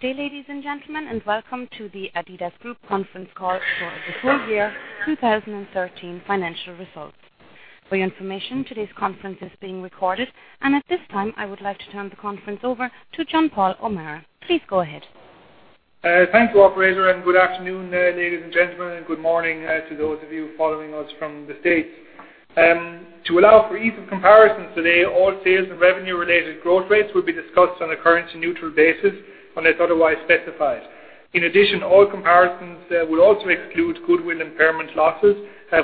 Good day, ladies and gentlemen, welcome to the adidas Group conference call for the full year 2013 financial results. For your information, today's conference is being recorded, at this time, I would like to turn the conference over to John-Paul O'Meara. Please go ahead. Thanks, operator, good afternoon, ladies and gentlemen, good morning to those of you following us from the States. To allow for ease of comparison today, all sales and revenue-related growth rates will be discussed on a currency-neutral basis unless otherwise specified. In addition, all comparisons will also exclude goodwill impairment losses,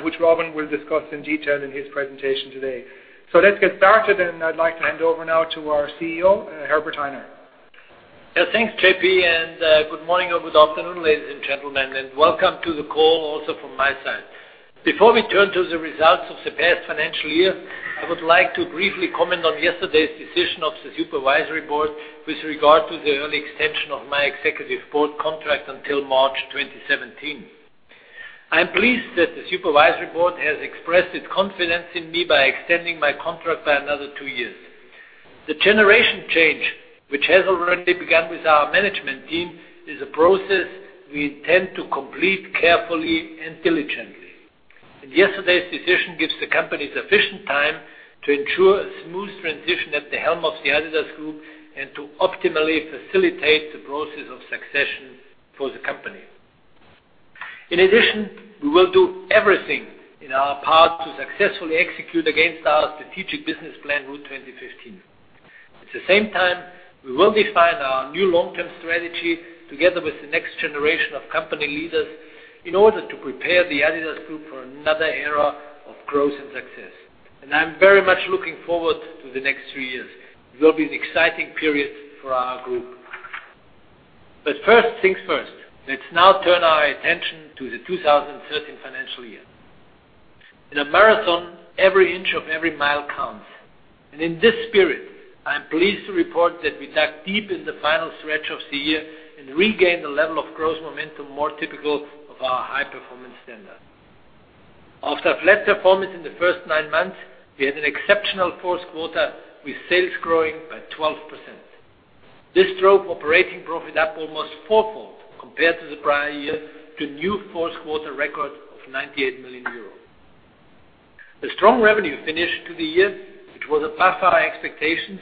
which Robin will discuss in detail in his presentation today. Let's get started, I'd like to hand over now to our CEO, Herbert. Yeah, thanks, J.P., good morning or good afternoon, ladies and gentlemen, welcome to the call also from my side. Before we turn to the results of the past financial year, I would like to briefly comment on yesterday's decision of the supervisory board with regard to the early extension of my executive board contract until March 2017. I'm pleased that the supervisory board has expressed its confidence in me by extending my contract by another two years. The generation change, which has already begun with our management team, is a process we intend to complete carefully and diligently. Yesterday's decision gives the company sufficient time to ensure a smooth transition at the helm of the adidas Group and to optimally facilitate the process of succession for the company. In addition, we will do everything in our power to successfully execute against our strategic business plan, Route 2015. At the same time, we will define our new long-term strategy together with the next generation of company leaders in order to prepare the adidas Group for another era of growth and success. I'm very much looking forward to the next three years. It will be an exciting period for our group. First things first. Let's now turn our attention to the 2013 financial year. In a marathon, every inch of every mile counts. In this spirit, I'm pleased to report that we dug deep in the final stretch of the year and regained a level of growth momentum more typical of our high-performance standard. After a flat performance in the first nine months, we had an exceptional fourth quarter with sales growing by 12%. This drove operating profit up almost four-fold compared to the prior year to a new fourth-quarter record of 98 million euros. The strong revenue finish to the year, which was above our expectations,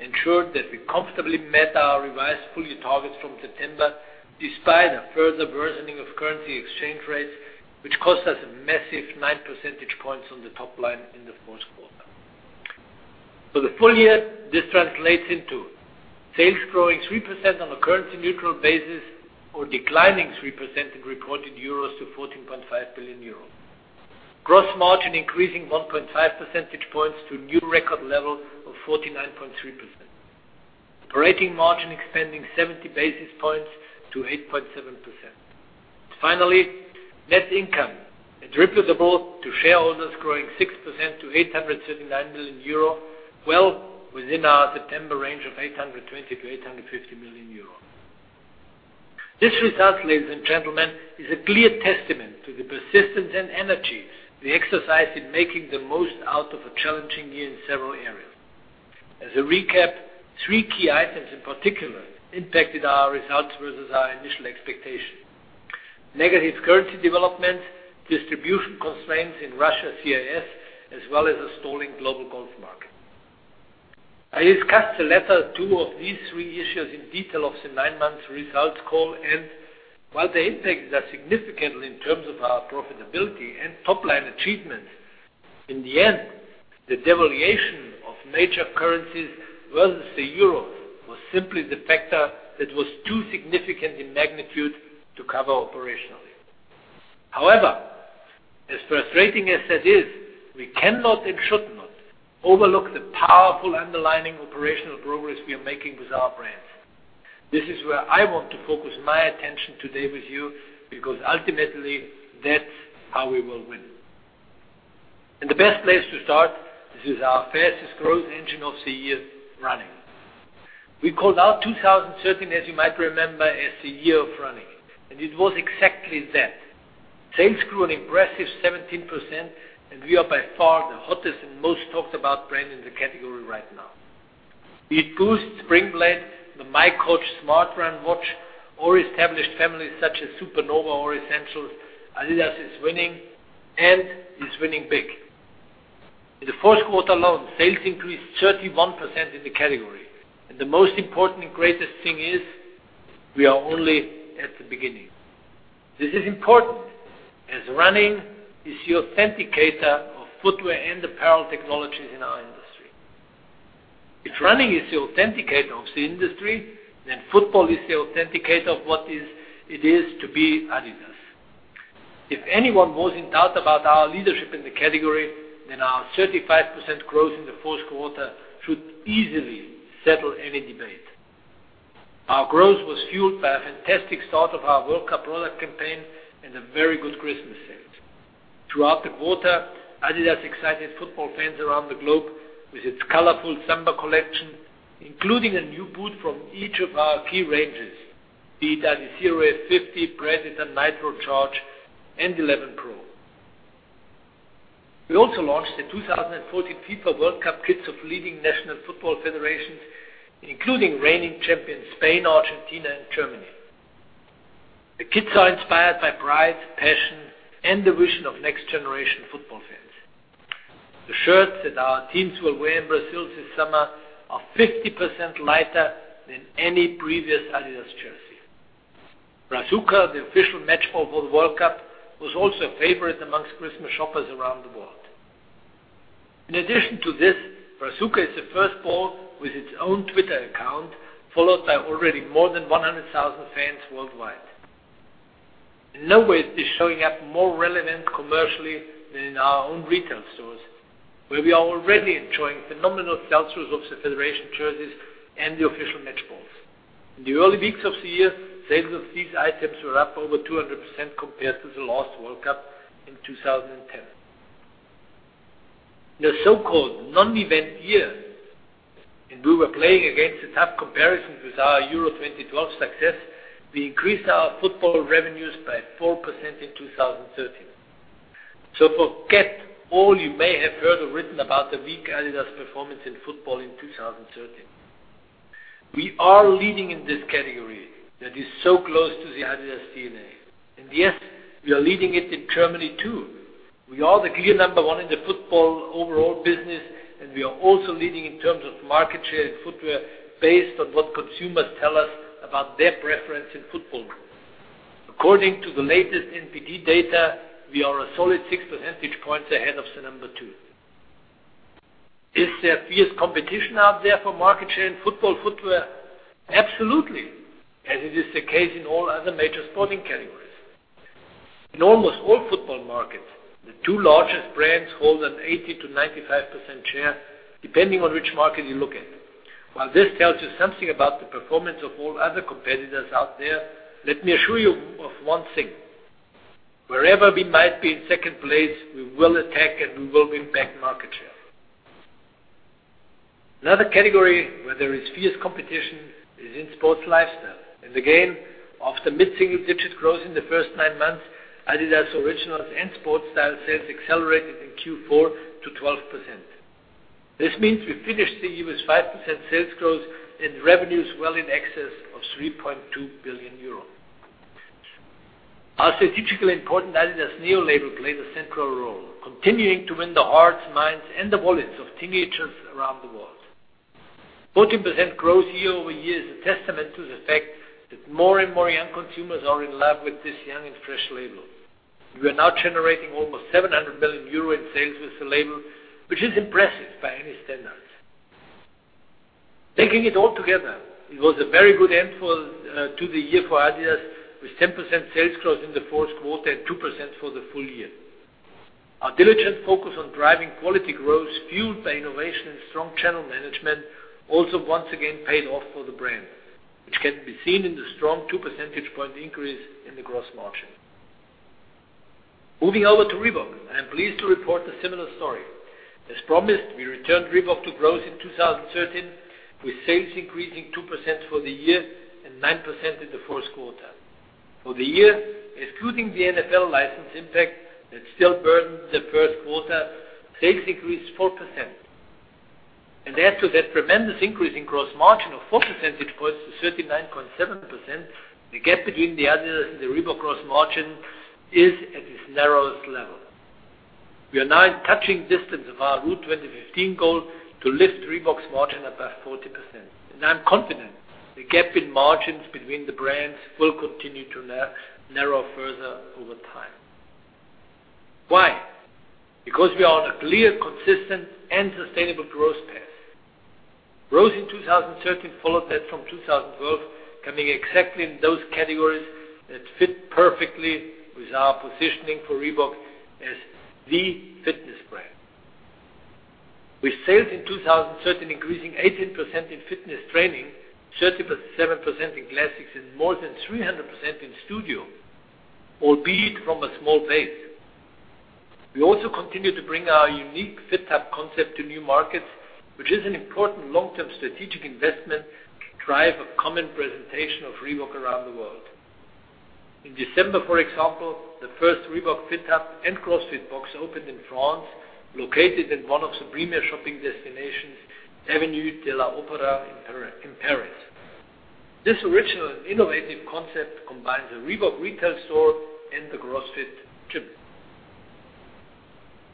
ensured that we comfortably met our revised full-year targets from September, despite a further worsening of currency exchange rates, which cost us a massive nine percentage points on the top line in the fourth quarter. For the full year, this translates into sales growing 3% on a currency-neutral basis or declining 3% in reported EUR to 14.5 billion euros. Gross margin increasing 1.5 percentage points to a new record level of 49.3%. Operating margin expanding 70 basis points to 8.7%. Finally, net income attributable to shareholders growing 6% to 839 million euro, well within our September range of 820 million-850 million euro. This result, ladies and gentlemen, is a clear testament to the persistence and energies we exercise in making the most out of a challenging year in several areas. As a recap, three key items in particular impacted our results versus our initial expectation. Negative currency development, distribution constraints in Russia CIS, as well as a stalling global growth market. I discussed the latter two of these three issues in detail of the nine-month results call, and while the impacts are significant in terms of our profitability and top-line achievements, in the end, the devaluation of major currencies versus the EUR was simply the factor that was too significant in magnitude to cover operationally. However, as frustrating as that is, we cannot and should not overlook the powerful underlying operational progress we are making with our brands. This is where I want to focus my attention today with you because ultimately, that's how we will win. The best place to start, this is our fastest growth engine of the year, running. We called out 2013, as you might remember, as the year of running, and it was exactly that. Sales grew an impressive 17%, and we are by far the hottest and most talked about brand in the category right now. Be it Boost, Springblade, the miCoach SMART RUN watch, or established families such as Supernova or Essentials, adidas is winning and is winning big. In the fourth quarter alone, sales increased 31% in the category. The most important and greatest thing is we are only at the beginning. This is important as running is the authenticator of footwear and apparel technologies in our industry. If running is the authenticator of the industry, then football is the authenticator of what it is to be adidas. If anyone was in doubt about our leadership in the category, then our 35% growth in the fourth quarter should easily settle any debate. Our growth was fueled by a fantastic start of our World Cup product campaign and a very good Christmas sale. Throughout the quarter, adidas excited football fans around the globe with its colorful summer collection, including a new boot from each of our key ranges. Be it Adizero F50, Predator, Nitrocharge, and 11Pro. We also launched the 2014 FIFA World Cup kits of leading national football federations, including reigning champions Spain, Argentina, and Germany. The kits are inspired by pride, passion, and the vision of next-generation football fans. The shirts that our teams will wear in Brazil this summer are 50% lighter than any previous adidas jersey. Brazuca, the official match ball for the World Cup, was also a favorite amongst Christmas shoppers around the world. In addition to this, Brazuca is the first ball with its own Twitter account, followed by already more than 100,000 fans worldwide. In no way is this showing up more relevant commercially than in our own retail stores, where we are already enjoying phenomenal sell-throughs of the federation jerseys and the official match balls. In the early weeks of the year, sales of these items were up over 200% compared to the last World Cup in 2010. In a so-called non-event year, we were playing against the tough comparisons with our Euro 2012 success, we increased our football revenues by 4% in 2013. Forget all you may have heard or read about the weak adidas performance in football in 2013. We are leading in this category that is so close to the adidas DNA. Yes, we are leading it in Germany, too. We are the clear number one in the football overall business, we are also leading in terms of market share in footwear based on what consumers tell us about their preference in football boots. According to the latest NPD data, we are a solid six percentage points ahead of the number two. Is there fierce competition out there for market share in football footwear? Absolutely, as it is the case in all other major sporting categories. In almost all football markets, the two largest brands hold an 80%-95% share, depending on which market you look at. While this tells you something about the performance of all other competitors out there, let me assure you of one thing. Wherever we might be in second place, we will attack and we will win back market share. Another category where there is fierce competition is in sports lifestyle. Again, after mid-single-digit growth in the first nine months, adidas Originals and sport style sales accelerated in Q4 to 12%. This means we finished the year with 5% sales growth and revenues well in excess of 3.2 billion euro. Our strategically important adidas NEO label played a central role, continuing to win the hearts, minds, and wallets of teenagers around the world. 14% growth year-over-year is a testament to the fact that more and more young consumers are in love with this young and fresh label. We are now generating almost 700 million euro in sales with the label, which is impressive by any standards. Taking it all together, it was a very good end to the year for adidas, with 10% sales growth in the fourth quarter and 2% for the full year. Our diligent focus on driving quality growth, fueled by innovation and strong channel management, also once again paid off for the brand, which can be seen in the strong two percentage point increase in the gross margin. Moving over to Reebok, I am pleased to report a similar story. As promised, we returned Reebok to growth in 2013, with sales increasing 2% for the year and 9% in the fourth quarter. For the year, excluding the NFL license impact that still burdens the first quarter, sales increased 4%. Thanks to that tremendous increase in gross margin of four percentage points to 39.7%, the gap between the adidas and the Reebok gross margin is at its narrowest level. We are now in touching distance of our Route 2015 goal to lift Reebok's margin above 40%. I'm confident the gap in margins between the brands will continue to narrow further over time. Why? We are on a clear, consistent, and sustainable growth path. Growth in 2013 followed that from 2012, coming exactly in those categories that fit perfectly with our positioning for Reebok as the fitness brand, with sales in 2013 increasing 18% in fitness training, 37% in classics, and more than 300% in studio, albeit from a small base. We also continue to bring our unique Fit Hub concept to new markets, which is an important long-term strategic investment to drive a common presentation of Reebok around the world. In December, for example, the first Reebok Fit Hub and CrossFit box opened in France, located in one of the premier shopping destinations, Avenue de l'Opéra in Paris. This original and innovative concept combines a Reebok retail store and a CrossFit gym.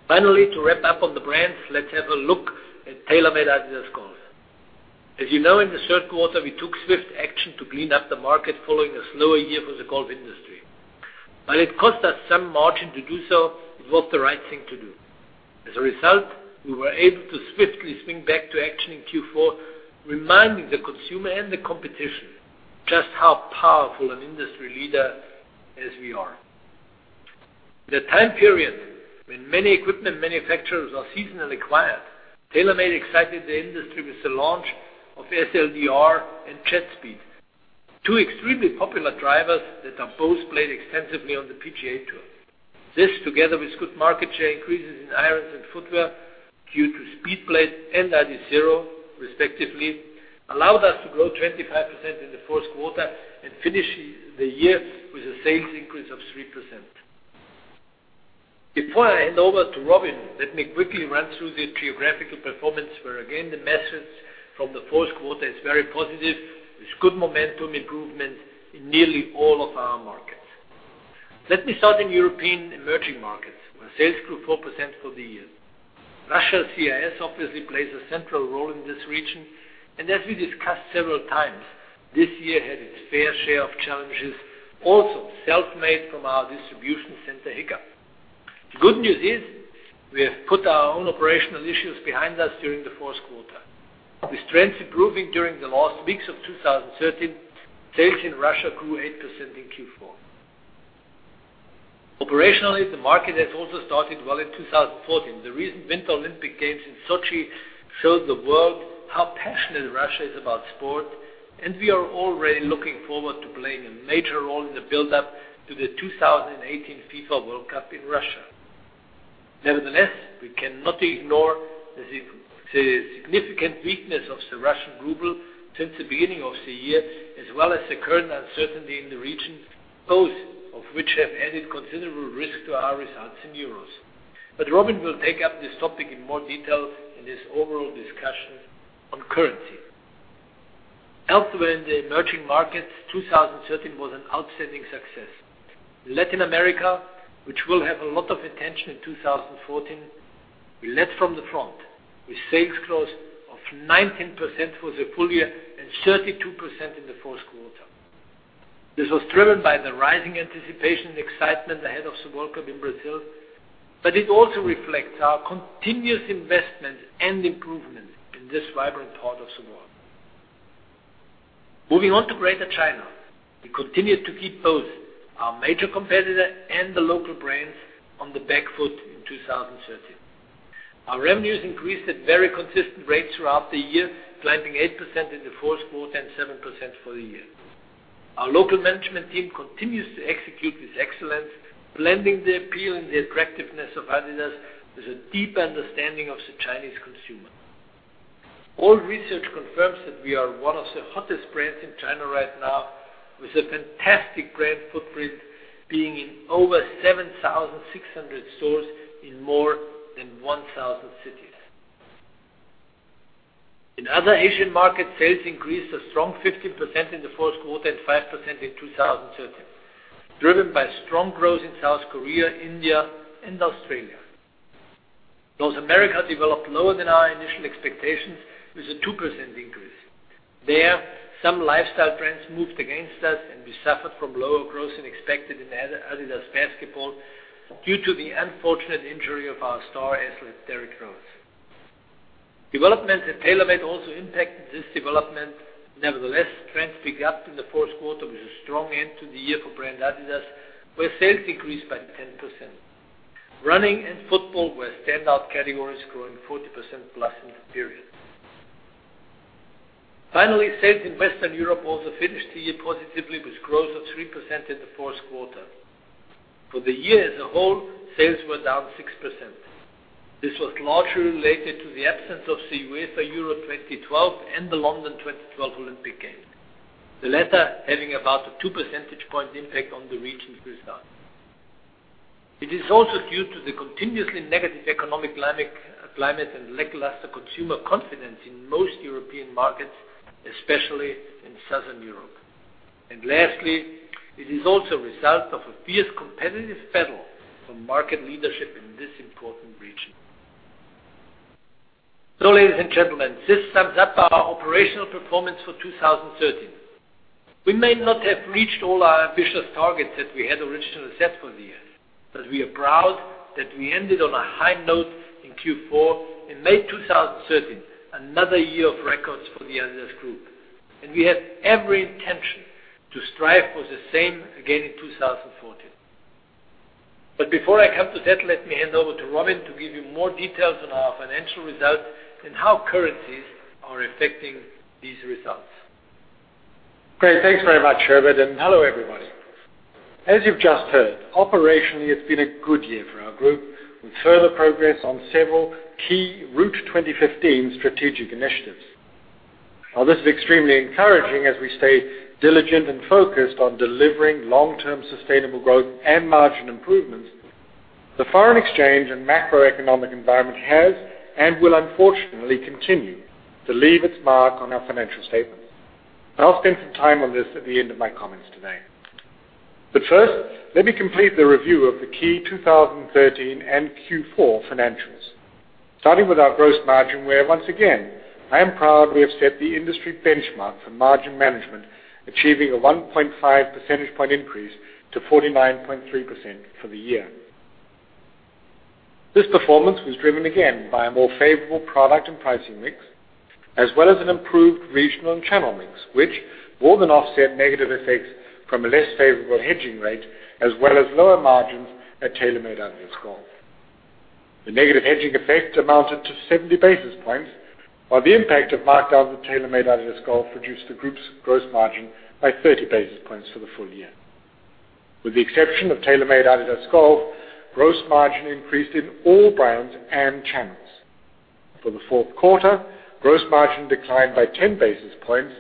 Finally, to wrap up on the brands, let's have a look at TaylorMade-adidas Golf. As you know, in the third quarter, we took swift action to clean up the market following a slower year for the golf industry. While it cost us some margin to do so, it was the right thing to do. As a result, we were able to swiftly swing back to action in Q4, reminding the consumer and the competition just how powerful an industry leader we are. In the time period when many equipment manufacturers are seasonally quiet, TaylorMade excited the industry with the launch of SLDR and JetSpeed, two extremely popular drivers that are both played extensively on the PGA Tour. This, together with good market share increases in irons and footwear due to SpeedBlade and Adizero, respectively, allowed us to grow 25% in the fourth quarter and finish the year with a sales increase of 3%. Before I hand over to Robin, let me quickly run through the geographical performance, where again, the message from the fourth quarter is very positive. There's good momentum improvement in nearly all of our markets. Let me start in European emerging markets, where sales grew 4% for the year. Russia CIS obviously plays a central role in this region, and as we discussed several times, this year had its fair share of challenges, also self-made from our distribution center hiccup. The good news is, we have put our own operational issues behind us during the fourth quarter. With trends improving during the last weeks of 2013, sales in Russia grew 8% in Q4. Operationally, the market has also started well in 2014. The recent Winter Olympic Games in Sochi showed the world how passionate Russia is about sport, and we are already looking forward to playing a major role in the build-up to the 2018 FIFA World Cup in Russia. Nevertheless, we cannot ignore the significant weakness of the Russian ruble since the beginning of the year, as well as the current uncertainty in the region, both of which have added considerable risk to our results in EUR. Robin will take up this topic in more detail in his overall discussion on currency. Elsewhere in the emerging markets, 2013 was an outstanding success. Latin America, which will have a lot of attention in 2014, we led from the front with sales growth of 19% for the full year and 32% in the fourth quarter. This was driven by the rising anticipation and excitement ahead of the World Cup in Brazil, but it also reflects our continuous investment and improvement in this vibrant part of the world. Moving on to Greater China, we continued to keep both our major competitor and the local brands on the back foot in 2013. Our revenues increased at very consistent rates throughout the year, climbing 8% in the fourth quarter and 7% for the year. Our local management team continues to execute with excellence, blending the appeal and the attractiveness of adidas with a deep understanding of the Chinese consumer. All research confirms that we are one of the hottest brands in China right now, with a fantastic brand footprint being in over 7,600 stores in more than 1,000 cities. In other Asian markets, sales increased a strong 15% in the fourth quarter and 5% in 2013, driven by strong growth in South Korea, India and Australia. Those markets developed lower than our initial expectations is a 2% increase. There, some lifestyle trends moved against us, and we suffered from lower growth than expected in adidas Basketball due to the unfortunate injury of our star athlete, Derrick Rose. Developments at TaylorMade also impacted this development. Trends picked up in the fourth quarter with a strong end to the year for brand adidas, where sales increased by 10%. Running and football were standout categories, growing 40% plus in the period. Sales in Western Europe also finished the year positively, with growth of 3% in the fourth quarter. For the year as a whole, sales were down 6%. This was largely related to the absence of the UEFA Euro 2012 and the London 2012 Olympic Games, the latter having about a two percentage point impact on the region's results. It is also due to the continuously negative economic climate and lackluster consumer confidence in most European markets, especially in Southern Europe. Lastly, it is also a result of a fierce competitive battle for market leadership in this important region. Ladies and gentlemen, this sums up our operational performance for 2013. We may not have reached all our ambitious targets that we had originally set for the year, but we are proud that we ended on a high note in Q4 and made 2013 another year of records for the adidas Group. We have every intention to strive for the same again in 2014. Before I come to that, let me hand over to Robin to give you more details on our financial results and how currencies are affecting these results. Great. Thanks very much, Herbert, and hello, everybody. As you've just heard, operationally, it has been a good year for our group, with further progress on several key Route 2015 strategic initiatives. This is extremely encouraging as we stay diligent and focused on delivering long-term sustainable growth and margin improvements. The foreign exchange and macroeconomic environment has, and will unfortunately continue to leave its mark on our financial statements. I will spend some time on this at the end of my comments today. First, let me complete the review of the key 2013 and Q4 financials. Starting with our gross margin, where once again, I am proud we have set the industry benchmark for margin management, achieving a 1.5 percentage point increase to 49.3% for the year. This performance was driven again by a more favorable product and pricing mix, as well as an improved regional and channel mix, which more than offset negative effects from a less favorable hedging rate, as well as lower margins at TaylorMade-adidas Golf. The negative hedging effect amounted to 70 basis points, while the impact of markdowns at TaylorMade-adidas Golf reduced the group's gross margin by 30 basis points for the full year. With the exception of TaylorMade-adidas Golf, gross margin increased in all brands and channels. For the fourth quarter, gross margin declined by 10 basis points.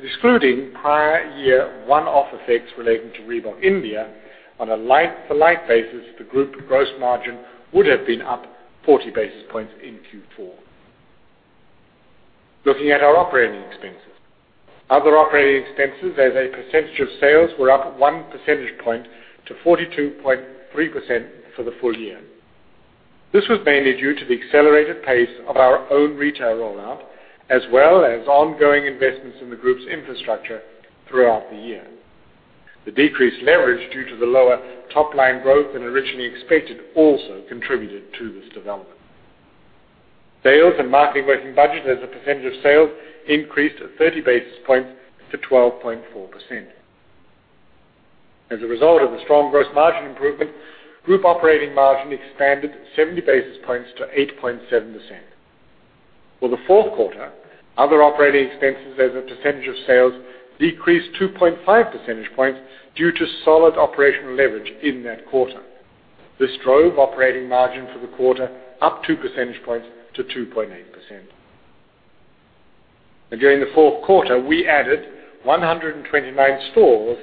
Excluding prior year one-off effects relating to Reebok India, on a like-to-like basis, the group gross margin would have been up 40 basis points in Q4. Looking at our operating expenses. Other operating expenses as a percentage of sales were up 1 percentage point to 42.3% for the full year. This was mainly due to the accelerated pace of our own retail rollout, as well as ongoing investments in the group's infrastructure throughout the year. The decreased leverage due to the lower top-line growth than originally expected also contributed to this development. Sales and marketing working budget as a percentage of sales increased 30 basis points to 12.4%. As a result of the strong gross margin improvement, group operating margin expanded 70 basis points to 8.7%. For the fourth quarter, other operating expenses as a percentage of sales decreased 2.5 percentage points due to solid operational leverage in that quarter. This drove operating margin for the quarter up 2 percentage points to 2.8%. During the fourth quarter, we added 129 stores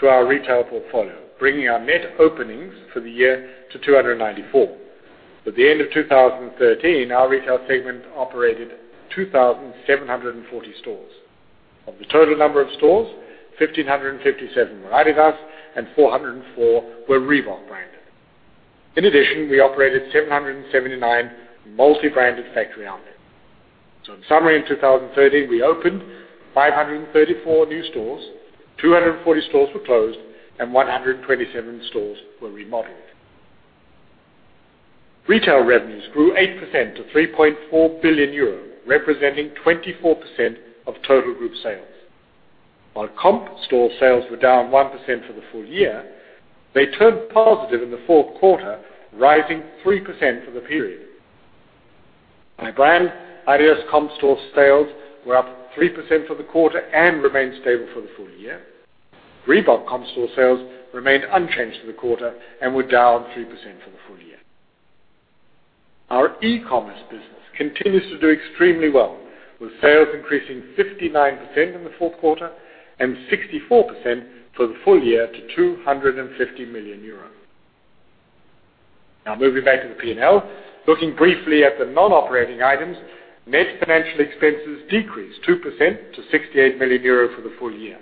to our retail portfolio, bringing our net openings for the year to 294. At the end of 2013, our retail segment operated 2,740 stores. Of the total number of stores, 1,557 were adidas and 404 were Reebok branded. In addition, we operated 779 multi-branded factory outlets. In summary, in 2013, we opened 534 new stores, 240 stores were closed, and 127 stores were remodeled. Retail revenues grew 8% to €3.4 billion, representing 24% of total group sales. While comp store sales were down 1% for the full year, they turned positive in the fourth quarter, rising 3% for the period. By brand, adidas comp store sales were up 3% for the quarter and remained stable for the full year. Reebok comp store sales remained unchanged for the quarter and were down 3% for the full year. Our e-commerce business continues to do extremely well, with sales increasing 59% in the fourth quarter and 64% for the full year to €250 million. Moving back to the P&L. Looking briefly at the non-operating items, net financial expenses decreased 2% to €68 million for the full year.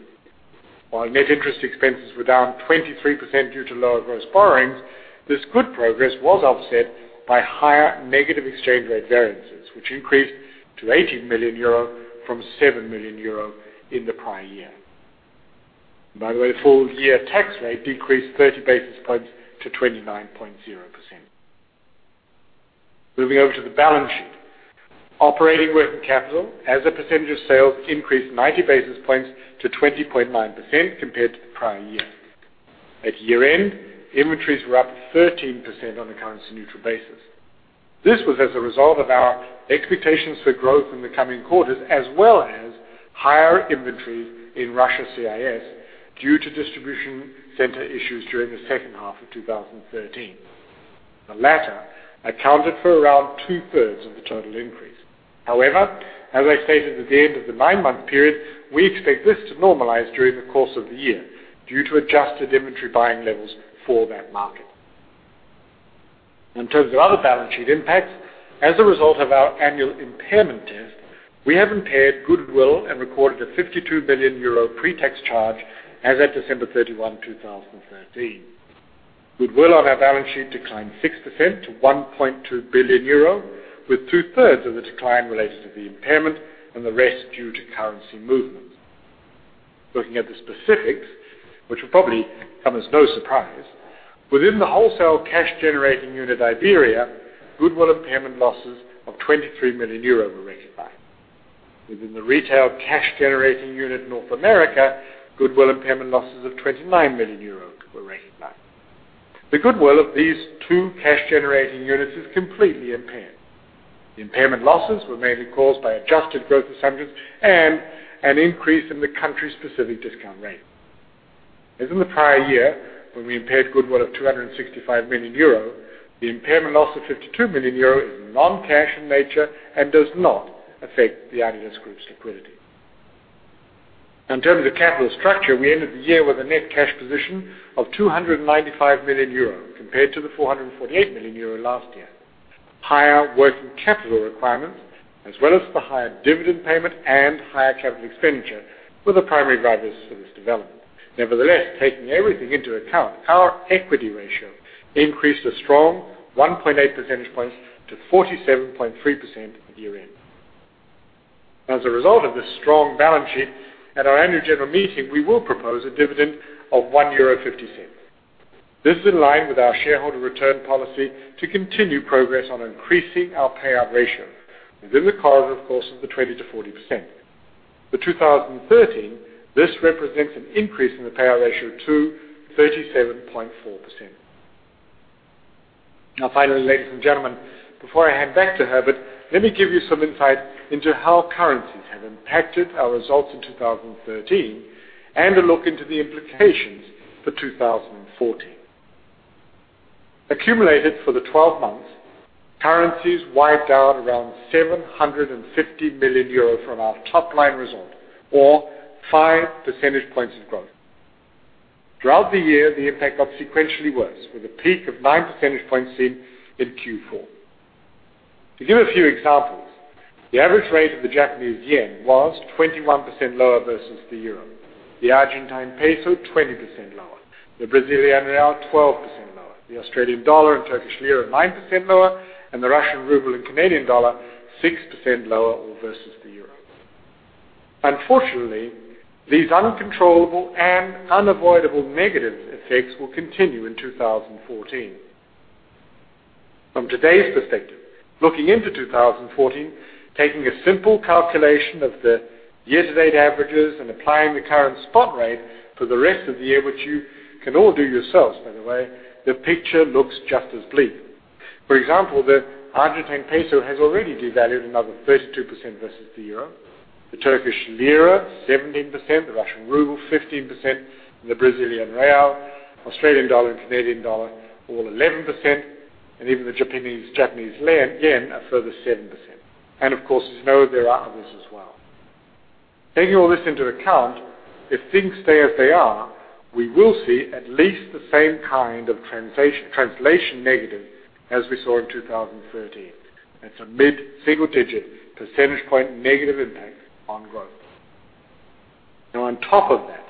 While net interest expenses were down 23% due to lower gross borrowings, this good progress was offset by higher negative exchange rate variances, which increased to €18 million from €7 million in the prior year. By the way, full-year tax rate decreased 30 basis points to 29.0%. Moving over to the balance sheet. Operating working capital as a percentage of sales increased 90 basis points to 20.9% compared to the prior year. At year-end, inventories were up 13% on a currency-neutral basis. This was as a result of our expectations for growth in the coming quarters, as well as higher inventories in Russia CIS due to distribution center issues during the second half of 2013. The latter accounted for around two-thirds of the total increase. As I stated at the end of the nine-month period, we expect this to normalize during the course of the year due to adjusted inventory buying levels for that market. In terms of other balance sheet impacts, as a result of our annual impairment test, we have impaired goodwill and recorded a €52 million pre-tax charge as at December 31, 2013. Goodwill on our balance sheet declined 6% to €1.2 billion, with two-thirds of the decline related to the impairment and the rest due to currency movements. Looking at the specifics, which will probably come as no surprise, within the wholesale cash-generating unit, Iberia, goodwill impairment losses of €23 million were recognized. Within the retail cash-generating unit in North America, goodwill impairment losses of €29 million were recognized. The goodwill of these two cash-generating units is completely impaired. The impairment losses were mainly caused by adjusted growth assumptions and an increase in the country-specific discount rate. As in the prior year, when we impaired goodwill of €265 million, the impairment loss of €52 million is non-cash in nature and does not affect the adidas Group's liquidity. In terms of capital structure, we ended the year with a net cash position of €295 million compared to the €448 million last year. Higher working capital requirements, as well as the higher dividend payment and higher capital expenditure were the primary drivers for this development. Taking everything into account, our equity ratio increased a strong 1.8 percentage points to 47.3% at year-end. As a result of this strong balance sheet, at our annual general meeting, we will propose a dividend of €1.50. This is in line with our shareholder return policy to continue progress on increasing our payout ratio within the corridor, of course, of the 20%-40%. For 2013, this represents an increase in the payout ratio to 37.4%. Finally, ladies and gentlemen, before I hand back to Herbert, let me give you some insight into how currencies have impacted our results in 2013, and a look into the implications for 2014. Accumulated for the 12 months, currencies wiped out around €750 million from our top-line result, or five percentage points of growth. Throughout the year, the impact got sequentially worse with a peak of nine percentage points seen in Q4. To give a few examples, the average rate of the Japanese yen was 21% lower versus the euro, the Argentine peso 20% lower, the Brazilian real 12% lower, the Australian dollar and Turkish lira 9% lower, the Russian ruble and Canadian dollar 6% lower all versus the euro. Unfortunately, these uncontrollable and unavoidable negative effects will continue in 2014. From today's perspective, looking into 2014, taking a simple calculation of the year-to-date averages and applying the current spot rate for the rest of the year, which you can all do yourselves by the way, the picture looks just as bleak. For example, the Argentine peso has already devalued another 32% versus the euro, the Turkish lira 17%, the Russian ruble 15%, the Brazilian real, Australian dollar, and Canadian dollar all 11%, and even the Japanese yen a further 7%. Of course, as you know, there are others as well. Taking all this into account, if things stay as they are, we will see at least the same kind of translation negative as we saw in 2013. That's a mid-single digit percentage point negative impact on growth. On top of that,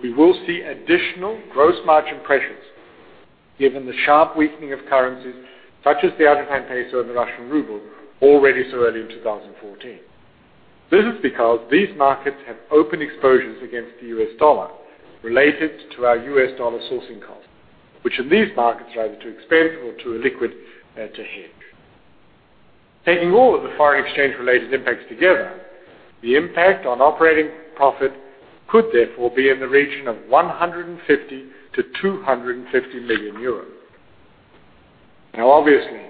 we will see additional gross margin pressures given the sharp weakening of currencies such as the Argentine peso and the Russian ruble already so early in 2014. This is because these markets have open exposures against the US dollar related to our US dollar sourcing costs, which in these markets are either too expensive or too illiquid to hedge. Taking all of the foreign exchange-related impacts together, the impact on operating profit could therefore be in the region of 150 million-250 million euros. Obviously,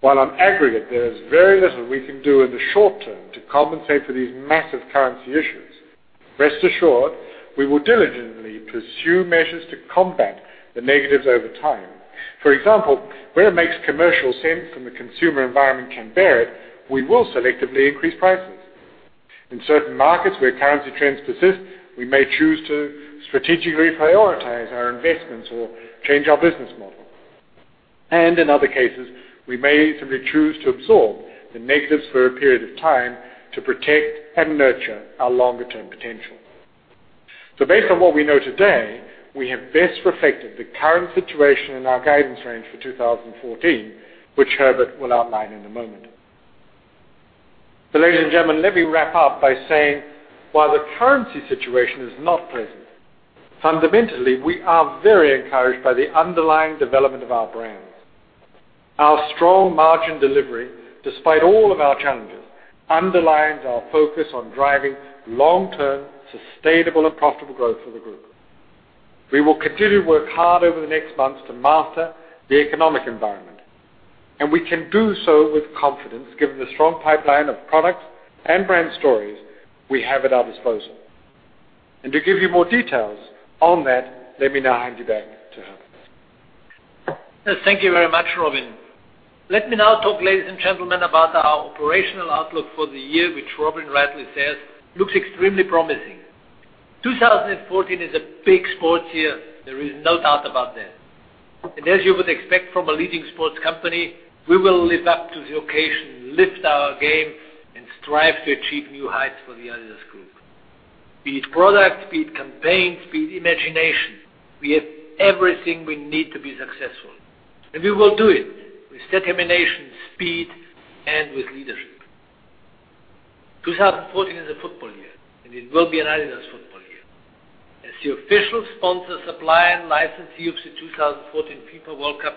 while on aggregate, there is very little we can do in the short term to compensate for these massive currency issues. Rest assured, we will diligently pursue measures to combat the negatives over time. For example, where it makes commercial sense and the consumer environment can bear it, we will selectively increase prices. In certain markets where currency trends persist, we may choose to strategically prioritize our investments or change our business model. In other cases, we may simply choose to absorb the negatives for a period of time to protect and nurture our longer-term potential. Based on what we know today, we have best reflected the current situation in our guidance range for 2014, which Herbert will outline in a moment. Ladies and gentlemen, let me wrap up by saying, while the currency situation is not pleasant, fundamentally, we are very encouraged by the underlying development of our brands. Our strong margin delivery, despite all of our challenges, underlines our focus on driving long-term, sustainable, and profitable growth for the group. We will continue to work hard over the next months to master the economic environment, and we can do so with confidence given the strong pipeline of products and brand stories we have at our disposal. To give you more details on that, let me now hand you back to Herbert. Thank you very much, Robin. Let me now talk, ladies and gentlemen, about our operational outlook for the year, which Robin rightly says looks extremely promising. 2014 is a big sports year, there is no doubt about that. As you would expect from a leading sports company, we will live up to the occasion, lift our game, and strive to achieve new heights for the adidas Group. Be it product, be it campaigns, be it imagination, we have everything we need to be successful. We will do it with determination, speed, and with leadership. 2014 is a football year, and it will be an adidas football year. As the official sponsor, supplier, and licensee of the 2014 FIFA World Cup,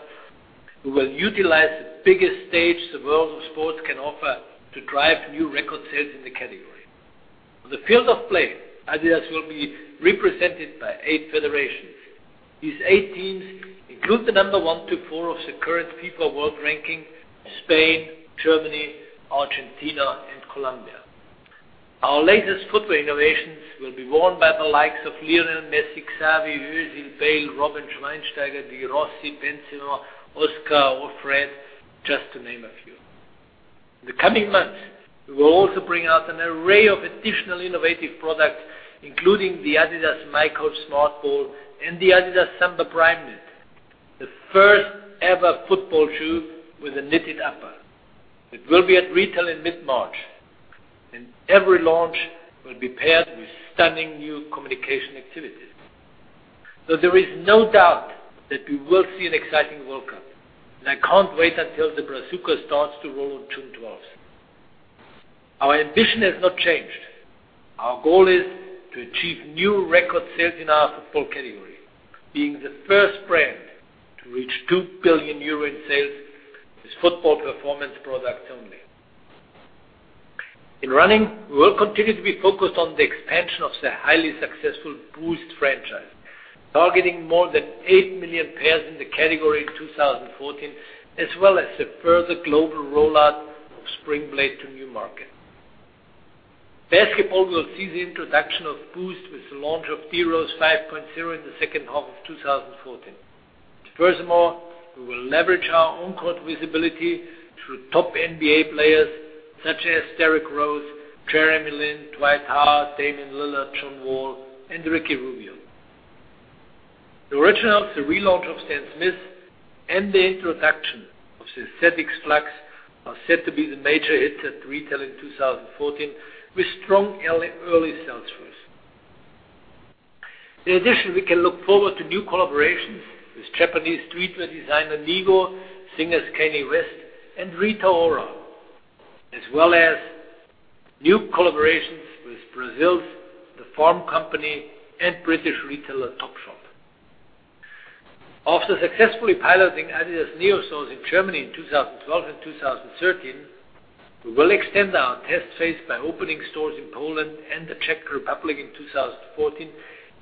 we will utilize the biggest stage the world of sports can offer to drive new record sales in the category. On the field of play, adidas will be represented by eight federations. These eight teams include the number one to four of the current FIFA world ranking, Spain, Germany, Argentina, and Colombia. Our latest footwear innovations will be worn by the likes of Lionel Messi, Xavi, Özil, Bale, Bastian Schweinsteiger, Daniele De Rossi, Karim Benzema, Oscar, or Fred, just to name a few. In the coming months, we will also bring out an array of additional innovative products, including the adidas miCoach Smart Ball and the adidas Samba Primeknit, the first-ever football shoe with a knitted upper. It will be at retail in mid-March. Every launch will be paired with stunning new communication activities. There is no doubt that we will see an exciting World Cup, and I can't wait until the Brazuca starts to roll on June 12th. Our ambition has not changed. Our goal is to achieve new record sales in our football category, being the first brand to reach 2 billion euro in sales with football performance products only. In running, we will continue to be focused on the expansion of the highly successful Boost franchise, targeting more than eight million pairs in the category in 2014, as well as the further global rollout of Springblade to new markets. Basketball will see the introduction of Boost with the launch of D Rose 10.0 in the second half of 2014. Furthermore, we will leverage our on-court visibility through top NBA players such as Derrick Rose, Jeremy Lin, Dwight Howard, Damian Lillard, John Wall, and Ricky Rubio. The Originals, the relaunch of Stan Smith, and the introduction of the ZX Flux are set to be the major hits at retail in 2014 with strong early sales for us. In addition, we can look forward to new collaborations with Japanese streetwear designer Nigo, singers Kanye West and Rita Ora, as well as new collaborations with Brazil's The Farm Company and British retailer Topshop. After successfully piloting adidas NEO stores in Germany in 2012 and 2013, we will extend our test phase by opening stores in Poland and the Czech Republic in 2014,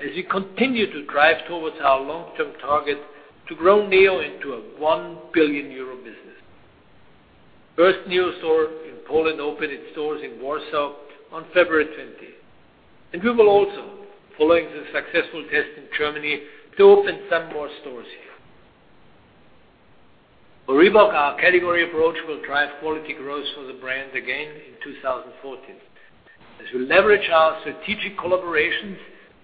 as we continue to drive towards our long-term target to grow NEO into a one billion EUR business. First NEO store in Poland opened its doors in Warsaw on February 20. We will also, following the successful test in Germany, to open some more stores here. For Reebok, our category approach will drive quality growth for the brand again in 2014, as we leverage our strategic collaborations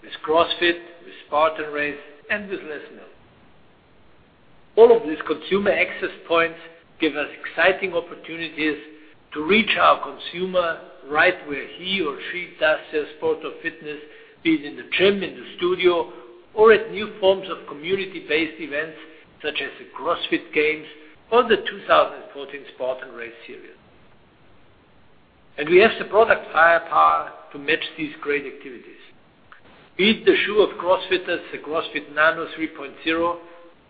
with CrossFit, with Spartan Race, and with Les Mills. All of these consumer access points give us exciting opportunities to reach our consumer right where he or she does their sport or fitness, be it in the gym, in the studio, or at new forms of community-based events such as the CrossFit Games or the 2014 Spartan Race series. We have the product firepower to match these great activities. Be it the shoe of CrossFitters, the CrossFit Nano 3.0;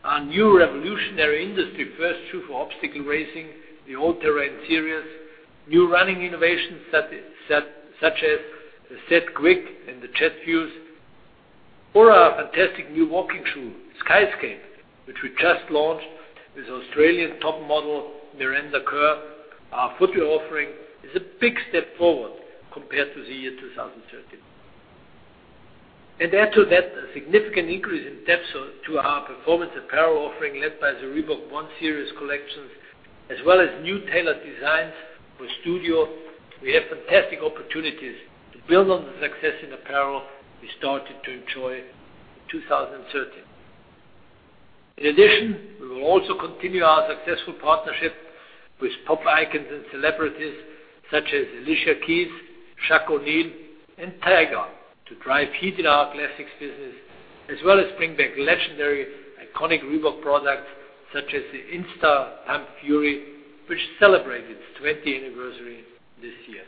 our new revolutionary industry first shoe for obstacle racing, the All Terrain series; new running innovations such as the ZQuick and the Jetfuse; or our fantastic new walking shoe, Skyscape, which we just launched with Australian top model Miranda Kerr. Our footwear offering is a big step forward compared to the year 2013. Add to that a significant increase in depth to our performance apparel offering, led by the Reebok One series collections, as well as new tailored designs for studio. We have fantastic opportunities to build on the success in apparel we started to enjoy in 2013. In addition, we will also continue our successful partnership with pop icons and celebrities such as Alicia Keys, Shaq O'Neal, and Tyga to drive heat in our classics business, as well as bring back legendary iconic Reebok products such as the Instapump Fury, which celebrates its 20th anniversary this year.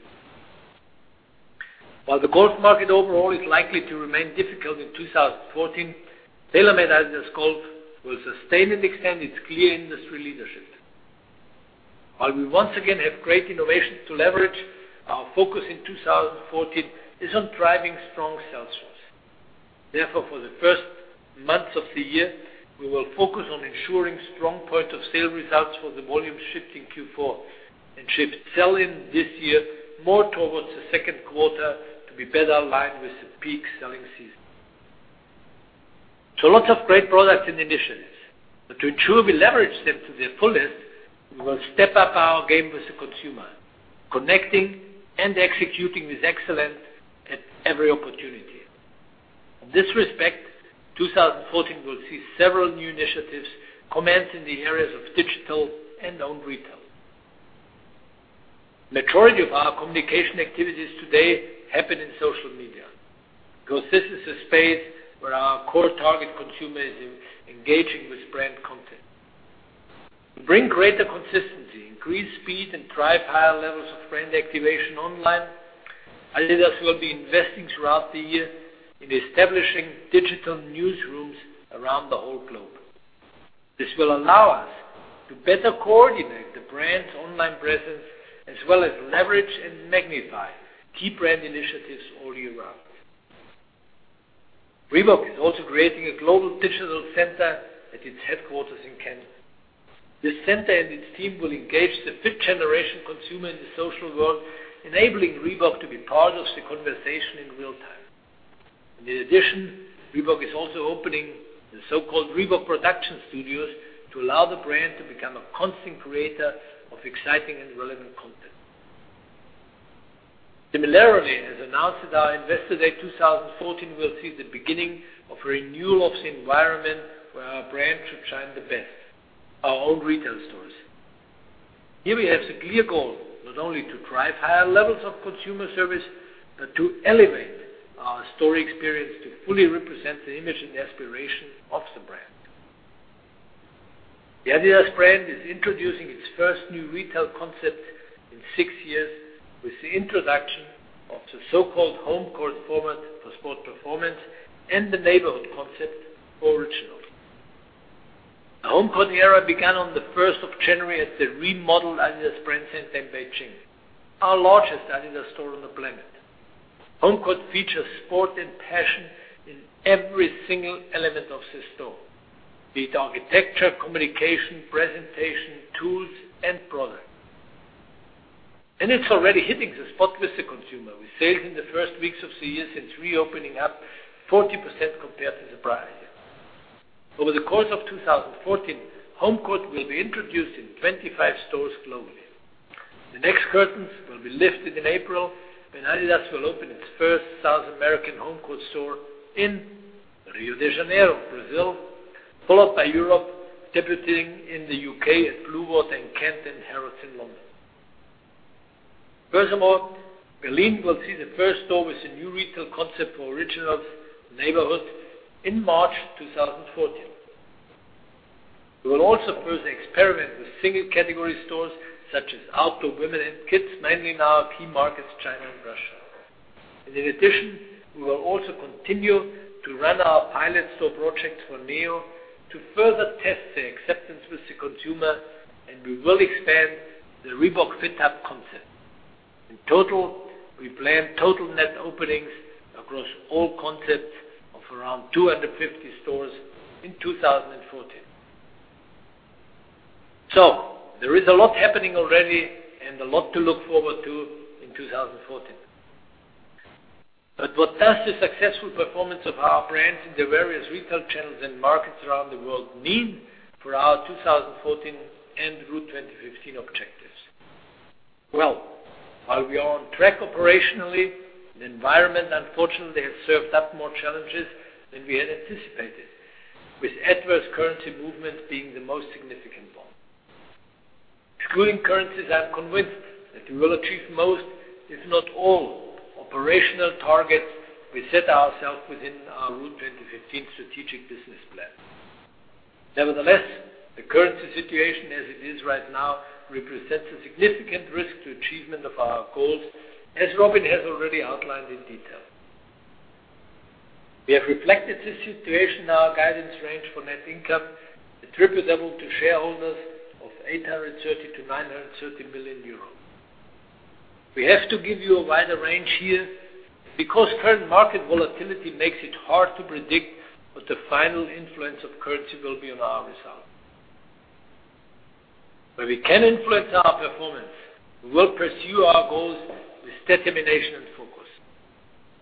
While the golf market overall is likely to remain difficult in 2014, TaylorMade-adidas Golf will sustain and extend its clear industry leadership. While we once again have great innovation to leverage, our focus in 2014 is on driving strong sell-throughs. Therefore, for the first months of the year, we will focus on ensuring strong point of sale results for the volume shipped in Q4, and ship sell-in this year more towards the second quarter to be better aligned with the peak selling season. Lots of great products and initiatives. But to ensure we leverage them to their fullest, we will step up our game with the consumer, connecting and executing with excellence at every opportunity. In this respect, 2014 will see several new initiatives commence in the areas of digital and owned retail. Majority of our communication activities today happen in social media because this is a space where our core target consumer is engaging with brand content. To bring greater consistency, increase speed, and drive higher levels of brand activation online, adidas will be investing throughout the year in establishing digital newsrooms around the whole globe. This will allow us to better coordinate the brand's online presence as well as leverage and magnify key brand initiatives all year round. Reebok is also creating a global digital center at its headquarters in Canton. This center and its team will engage the fifth-generation consumer in the social world, enabling Reebok to be part of the conversation in real time. In addition, Reebok is also opening the so-called Reebok Production Studios to allow the brand to become a constant creator of exciting and relevant content. Similarly, as announced at our Investor Day 2014, we'll see the beginning of renewal of the environment where our brands should shine the best, our own retail stores. Here we have the clear goal not only to drive higher levels of consumer service, but to elevate our store experience to fully represent the image and aspiration of the brand. The adidas brand is introducing its first new retail concept in six years with the introduction of the so-called HomeCourt format for sport performance and the Neighborhood concept for Originals. The HomeCourt era began on the 1st of January at the remodeled adidas Brand Center in Beijing, our largest adidas store on the planet. HomeCourt features sport and passion in every single element of the store, be it architecture, communication, presentation, tools, and product. It's already hitting the spot with the consumer, with sales in the first weeks of the year since reopening up 40% compared to the prior year. Over the course of 2014, HomeCourt will be introduced in 25 stores globally. The next curtains will be lifted in April, when adidas will open its first South American HomeCourt store in Rio de Janeiro, Brazil, followed by Europe, debuting in the U.K. at Bluewater in Kent and Harrods in London. Furthermore, Berlin will see the first store with a new retail concept for Originals, Neighborhood, in March 2014. We will also further experiment with single-category stores, such as outdoor, women, and kids, mainly in our key markets, China and Russia. In addition, we will also continue to run our pilot store projects for NEO to further test the acceptance with the consumer, and we will expand the Reebok Fit Hub concept. In total, we plan total net openings across all concepts of around 250 stores in 2014. There is a lot happening already and a lot to look forward to in 2014. What does the successful performance of our brands in the various retail channels and markets around the world mean for our 2014 en route 2015 objectives? While we are on track operationally, the environment, unfortunately, has served up more challenges than we had anticipated, with adverse currency movements being the most significant one. Excluding currencies, I'm convinced that we will achieve most, if not all, operational targets we set ourselves within our Route 2015 strategic business plan. Nevertheless, the currency situation as it is right now represents a significant risk to achievement of our goals, as Robin has already outlined in detail. We have reflected this situation in our guidance range for net income attributable to shareholders of 830 million to 930 million euros. We have to give you a wider range here because current market volatility makes it hard to predict what the final influence of currency will be on our result. Where we can influence our performance, we will pursue our goals with determination and focus.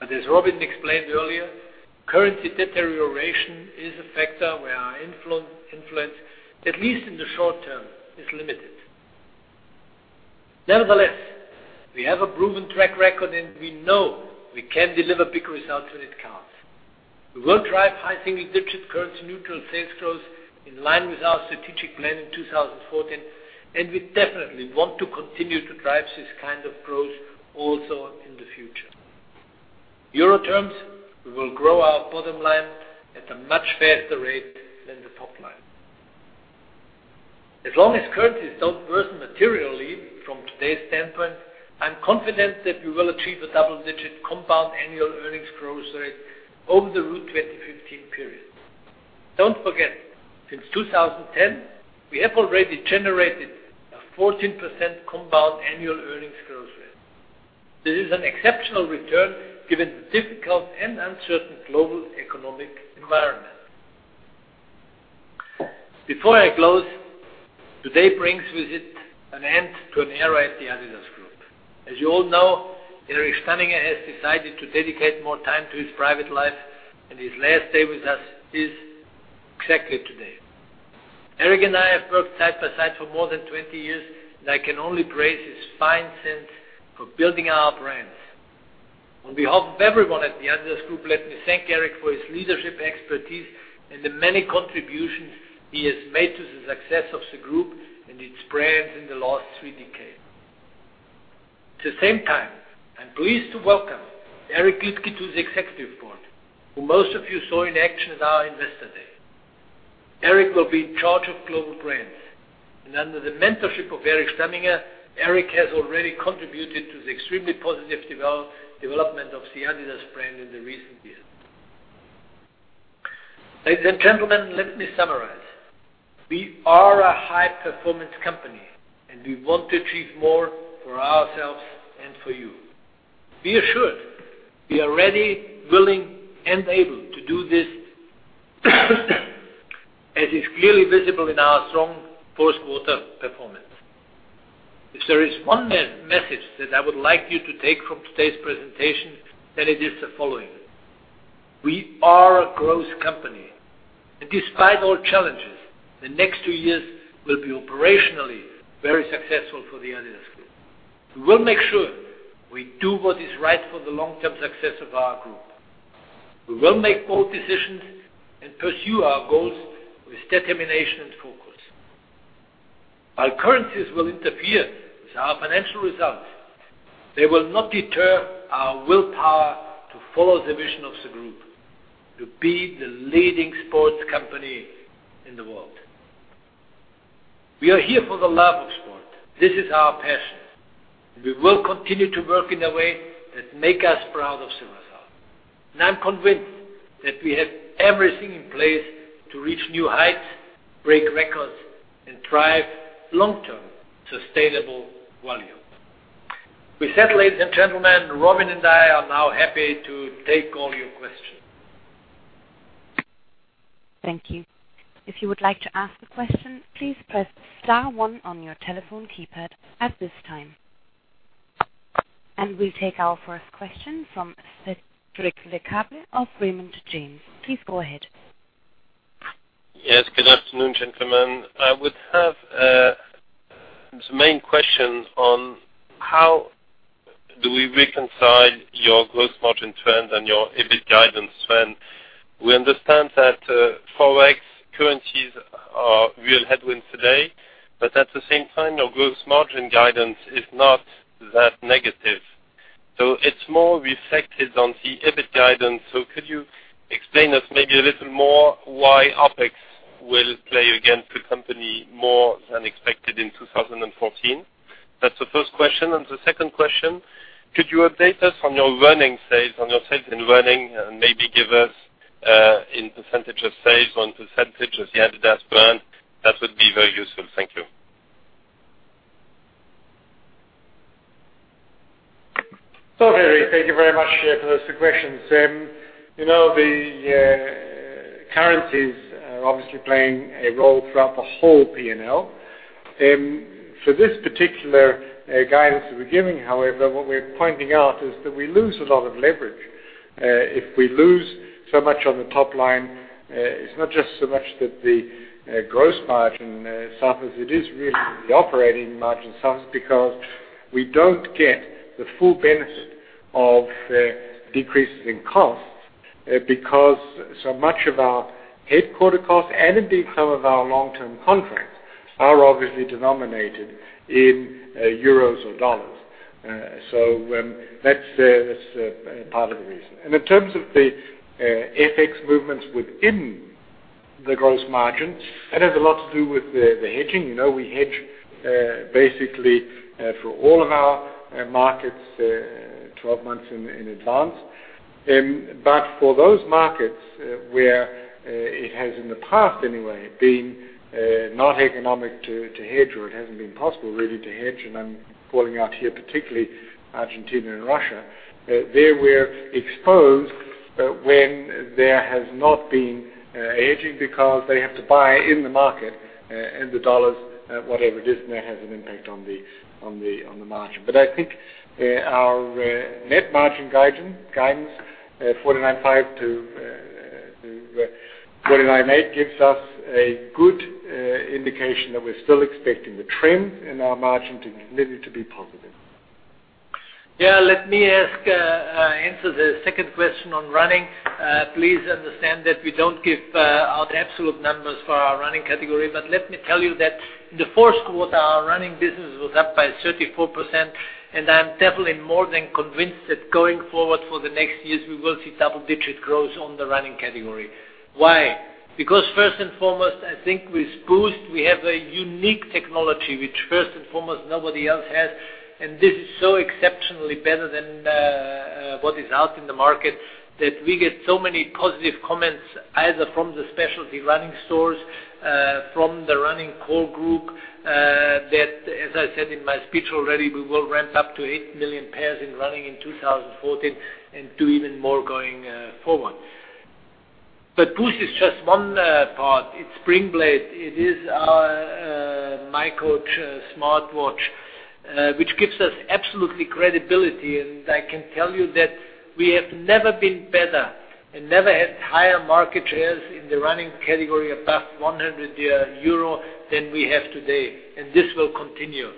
As Robin explained earlier, currency deterioration is a factor where our influence, at least in the short term, is limited. Nevertheless, we have a proven track record, and we know we can deliver big results when it counts. We will drive high single-digit currency-neutral sales growth in line with our strategic plan in 2014, and we definitely want to continue to drive this kind of growth also in the future. In EUR terms, we will grow our bottom line at a much faster rate than the top line. As long as currencies don't worsen materially from today's standpoint, I'm confident that we will achieve a double-digit compound annual earnings growth rate over the Route 2015 period. Don't forget, since 2010, we have already generated a 14% compound annual earnings growth rate. This is an exceptional return given the difficult and uncertain global economic environment. Before I close, today brings with it an end to an era at the adidas Group. As you all know, Erich Stamminger has decided to dedicate more time to his private life, and his last day with us is exactly today. Erich and I have worked side by side for more than 20 years, and I can only praise his fine sense for building our brands. On behalf of everyone at the adidas Group, let me thank Erich for his leadership expertise and the many contributions he has made to the success of the group and its brands in the last three decades. At the same time, I'm pleased to welcome Eric Liedtke to the Executive Board, who most of you saw in action at our Investor Day. Eric will be in charge of Global Brands, and under the mentorship of Erich Stamminger, Eric has already contributed to the extremely positive development of the adidas brand in the recent years. Ladies and gentlemen, let me summarize. We are a high-performance company, and we want to achieve more for ourselves and for you. Be assured, we are ready, willing, and able to do this, as is clearly visible in our strong fourth-quarter performance. If there is one net message that I would like you to take from today's presentation, then it is the following. We are a growth company, and despite all challenges, the next two years will be operationally very successful for the adidas Group. We will make sure we do what is right for the long-term success of our group. We will make bold decisions and pursue our goals with determination and focus. While currencies will interfere with our financial results, they will not deter our willpower to follow the vision of the group, to be the leading sports company in the world. We are here for the love of sport. This is our passion. We will continue to work in a way that make us proud of adidas Group. I'm convinced that we have everything in place to reach new heights, break records, and drive long-term sustainable value. With that, ladies and gentlemen, Robin and I are now happy to take all your questions. Thank you. If you would like to ask a question, please press star one on your telephone keypad at this time. We'll take our first question from Cédric Lecasble of Raymond James. Please go ahead. Yes. Good afternoon, gentlemen. I would have the main question on how do we reconcile your gross margin trend and your EBIT guidance trend. We understand that Forex currencies are real headwinds today, at the same time, your gross margin guidance is not that negative. It's more reflected on the EBIT guidance. Could you explain us maybe a little more why OpEx will play against the company more than expected in 2014? That's the first question. The second question, could you update us on your running sales, on your sales in running, and maybe give us in % of sales or in % of the adidas brand? That would be very useful. Thank you. Cédric, thank you very much for those two questions. The currencies are obviously playing a role throughout the whole P&L. For this particular guidance that we're giving, however, what we're pointing out is that we lose a lot of leverage. If we lose so much on the top line, it's not just so much that the gross margin suffers. It is really the operating margin suffers because we don't get the full benefit of decreases in costs because so much of our headquarter costs and indeed some of our long-term contracts are obviously denominated in euros or dollars. That's part of the reason. In terms of the FX movements within the gross margin, that has a lot to do with the hedging. We hedge basically for all of our markets 12 months in advance. For those markets where it has in the past anyway been not economic to hedge, or it hasn't been possible really to hedge, I'm calling out here particularly Argentina and Russia. There we're exposed when there has not been a hedging because they have to buy in the market, and the dollars, whatever it is, that has an impact on the margin. I think our net margin guidance, 49.5%-49.8% gives us a good indication that we're still expecting the trend in our margin really to be positive. Yeah. Let me answer the second question on running. Please understand that we don't give out absolute numbers for our running category. Let me tell you that in the fourth quarter, our running business was up by 34%, and I'm definitely more than convinced that going forward for the next years, we will see double-digit growth on the running category. Why? First and foremost, I think with Boost, we have a unique technology, which first and foremost, nobody else has. This is so exceptionally better than what is out in the market that we get so many positive comments, either from the specialty running stores, from the running core group, that, as I said in my speech already, we will ramp up to 8 million pairs in running in 2014 and do even more going forward. Boost is just one part. It's Springblade. It is our miCoach smartwatch, which gives us absolute credibility, I can tell you that we have never been better and never had higher market shares in the running category above 100 euro than we have today. This will continue.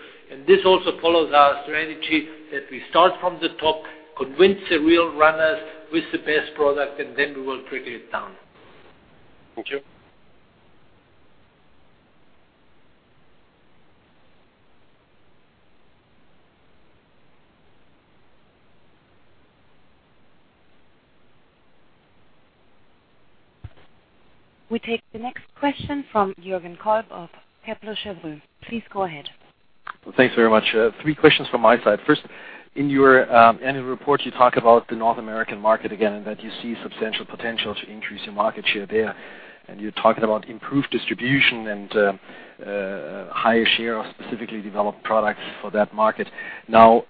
This also follows our strategy that we start from the top, convince the real runners with the best product, then we will trickle it down. Thank you. We take the next question from Jürgen Kolb of Kepler Cheuvreux. Please go ahead. Thanks very much. Three questions from my side. First, in your annual report, you talk about the North American market again, that you see substantial potential to increase your market share there. You're talking about improved distribution and higher share of specifically developed products for that market. Now,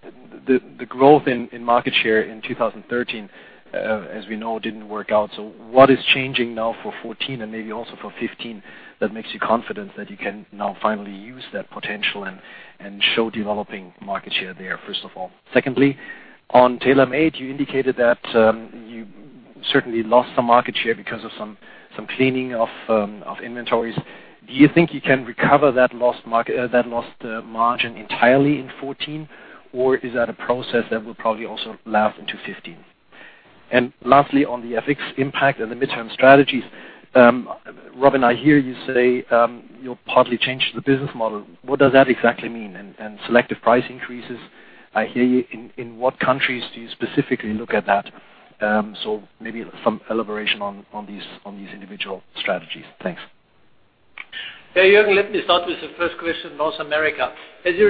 the growth in market share in 2013, as we know, didn't work out. What is changing now for 2014 and maybe also for 2015 that makes you confident that you can now finally use that potential and show developing market share there, first of all? Secondly, on TaylorMade, you indicated that you certainly lost some market share because of some cleaning of inventories. Do you think you can recover that lost margin entirely in 2014, or is that a process that will probably also last into 2015? Lastly, on the FX impact and the midterm strategies. Robin, I hear you say you'll partly change the business model. What does that exactly mean? Selective price increases I hear you. In what countries do you specifically look at that? Maybe some elaboration on these individual strategies. Thanks. Jürgen, let me start with the first question, North America. As you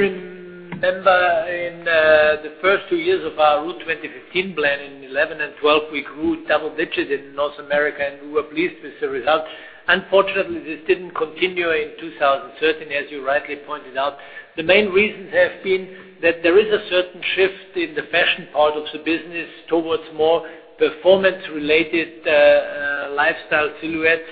remember, in the first two years of our Route 2015 plan in 2011 and 2012, we grew double digits in North America, and we were pleased with the result. Unfortunately, this didn't continue in 2013, as you rightly pointed out. The main reasons have been that there is a certain shift in the fashion part of the business towards more performance-related lifestyle silhouettes,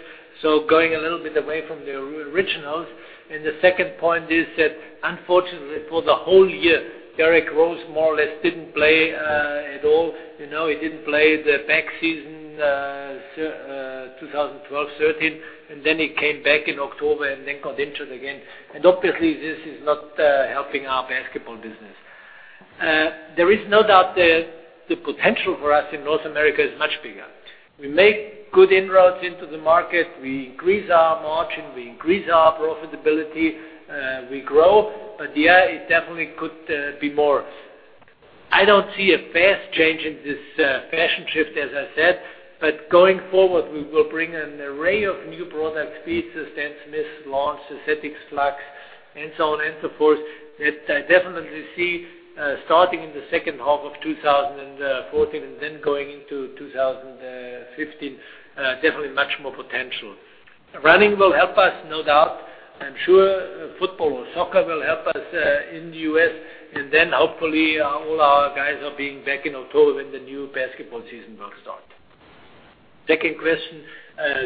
going a little bit away from the adidas Originals. The second point is that unfortunately for the whole year, Derrick Rose more or less didn't play at all. He didn't play the back season 2012-2013, he came back in October and then got injured again. Obviously, this is not helping our basketball business. There is no doubt the potential for us in North America is much bigger. We make good inroads into the market. We increase our margin, we increase our profitability, we grow. It definitely could be more. I don't see a fast change in this fashion shift, as I said, but going forward, we will bring an array of new product pieces, Stan Smith launch, the, [inaudible] Slack, and so on and so forth, that I definitely see, starting in the second half of 2014 and going into 2015, definitely much more potential. Running will help us, no doubt. I'm sure football or soccer will help us in the U.S., hopefully all our guys are being back in October when the new basketball season will start. Second question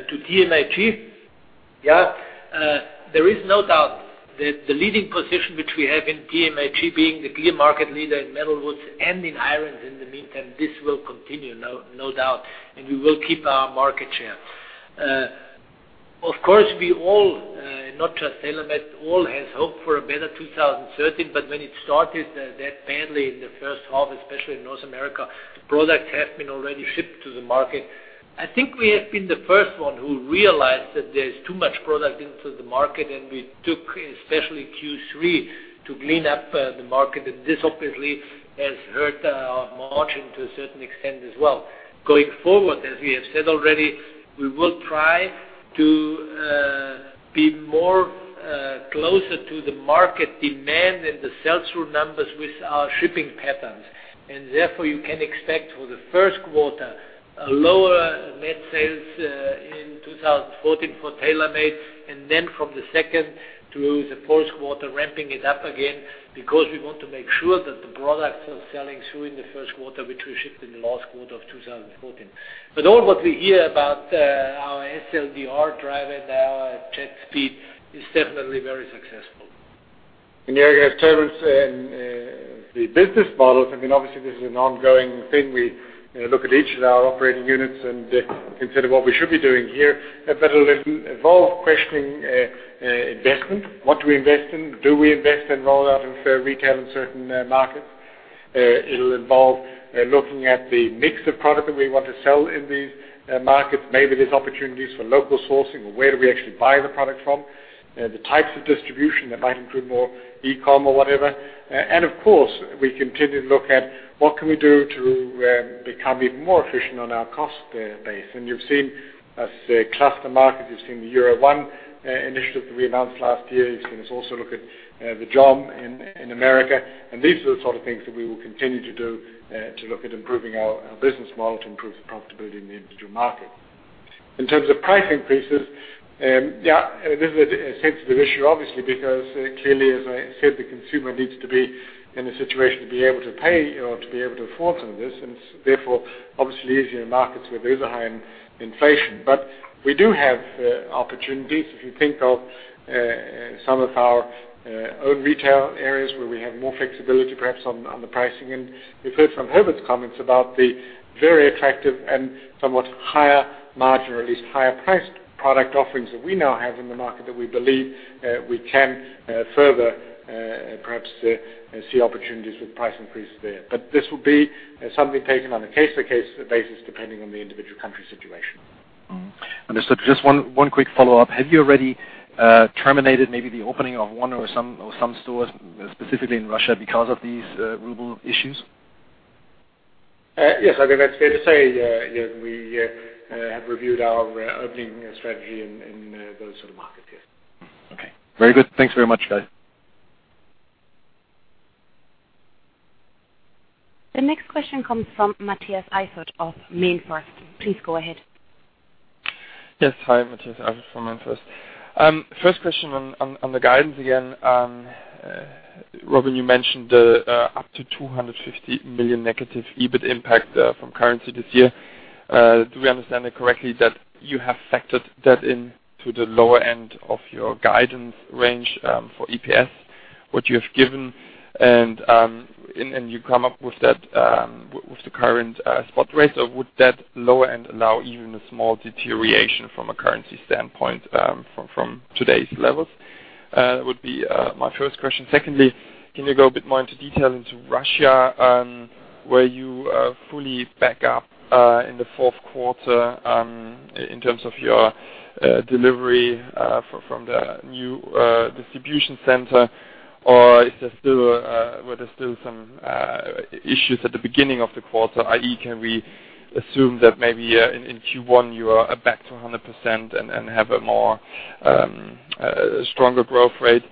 to TMaG. There is no doubt that the leading position which we have in TMaG, being the clear market leader in metal woods and in irons in the meantime, this will continue, no doubt, and we will keep our market share. Of course, we all, not just TaylorMade, all has hoped for a better 2013, but when it started that badly in the first half, especially in North America, the product has been already shipped to the market. I think we have been the first one who realized that there is too much product into the market, and we took, especially Q3, to clean up the market, and this obviously has hurt our margin to a certain extent as well. Going forward, as we have said already, we will try to be more closer to the market demand and the sell-through numbers with our shipping patterns. Therefore, you can expect for the first quarter, a lower net sales in 2014 for TaylorMade, and then from the second through the fourth quarter, ramping it up again, because we want to make sure that the products are selling through in the first quarter, which we shipped in the last quarter of 2014. But all what we hear about our SLDR driver, now our JetSpeed, is definitely very successful. In terms of the business models, obviously this is an ongoing thing. We look at each of our operating units and consider what we should be doing here. But it will involve questioning investment. What do we invest in? Do we invest in rollout of retail in certain markets? It will involve looking at the mix of product that we want to sell in these markets. Maybe there is opportunities for local sourcing or where do we actually buy the product from, the types of distribution that might include more e-com or whatever. Of course, we continue to look at what can we do to become even more efficient on our cost base. You have seen us cluster markets. You have seen the Europe ONE initiative that we announced last year. You have seen us also look at the JOM in America. These are the sort of things that we will continue to do to look at improving our business model, to improve the profitability in the individual markets. In terms of price increases, this is a sensitive issue, obviously, because clearly, as I said, the consumer needs to be in a situation to be able to pay or to be able to afford some of this, and therefore, obviously, easier in markets where there is a higher inflation. But we do have opportunities, if you think of some of our own retail areas where we have more flexibility, perhaps, on the pricing. We have heard from Herbert's comments about the very attractive and somewhat higher margin, or at least higher priced product offerings that we now have in the market that we believe we can further perhaps see opportunities with price increases there. This will be something taken on a case-by-case basis, depending on the individual country situation. Understood. Just one quick follow-up. Have you already terminated maybe the opening of one or some stores, specifically in Russia, because of these ruble issues? Yes. I think that's fair to say, Jürgen. We have reviewed our opening strategy in those sort of markets, yes. Okay. Very good. Thanks very much, guys. The next question comes from Matthias Eifert of MainFirst. Please go ahead. Yes. Hi, Matthias Eifert from MainFirst. First question on the guidance again. Robin, you mentioned up to 250 million negative EBIT impact from currency this year. Do we understand it correctly that you have factored that into the lower end of your guidance range for EPS, what you have given, and you come up with the current spot rate, or would that low end allow even a small deterioration from a currency standpoint from today's levels? That would be my first question. Secondly, can you go a bit more into detail into Russia? Were you fully back up in the fourth quarter in terms of your delivery from the new distribution center, or were there still some issues at the beginning of the quarter, i.e., can we assume that maybe in Q1 you are back to 100% and have a stronger growth rate?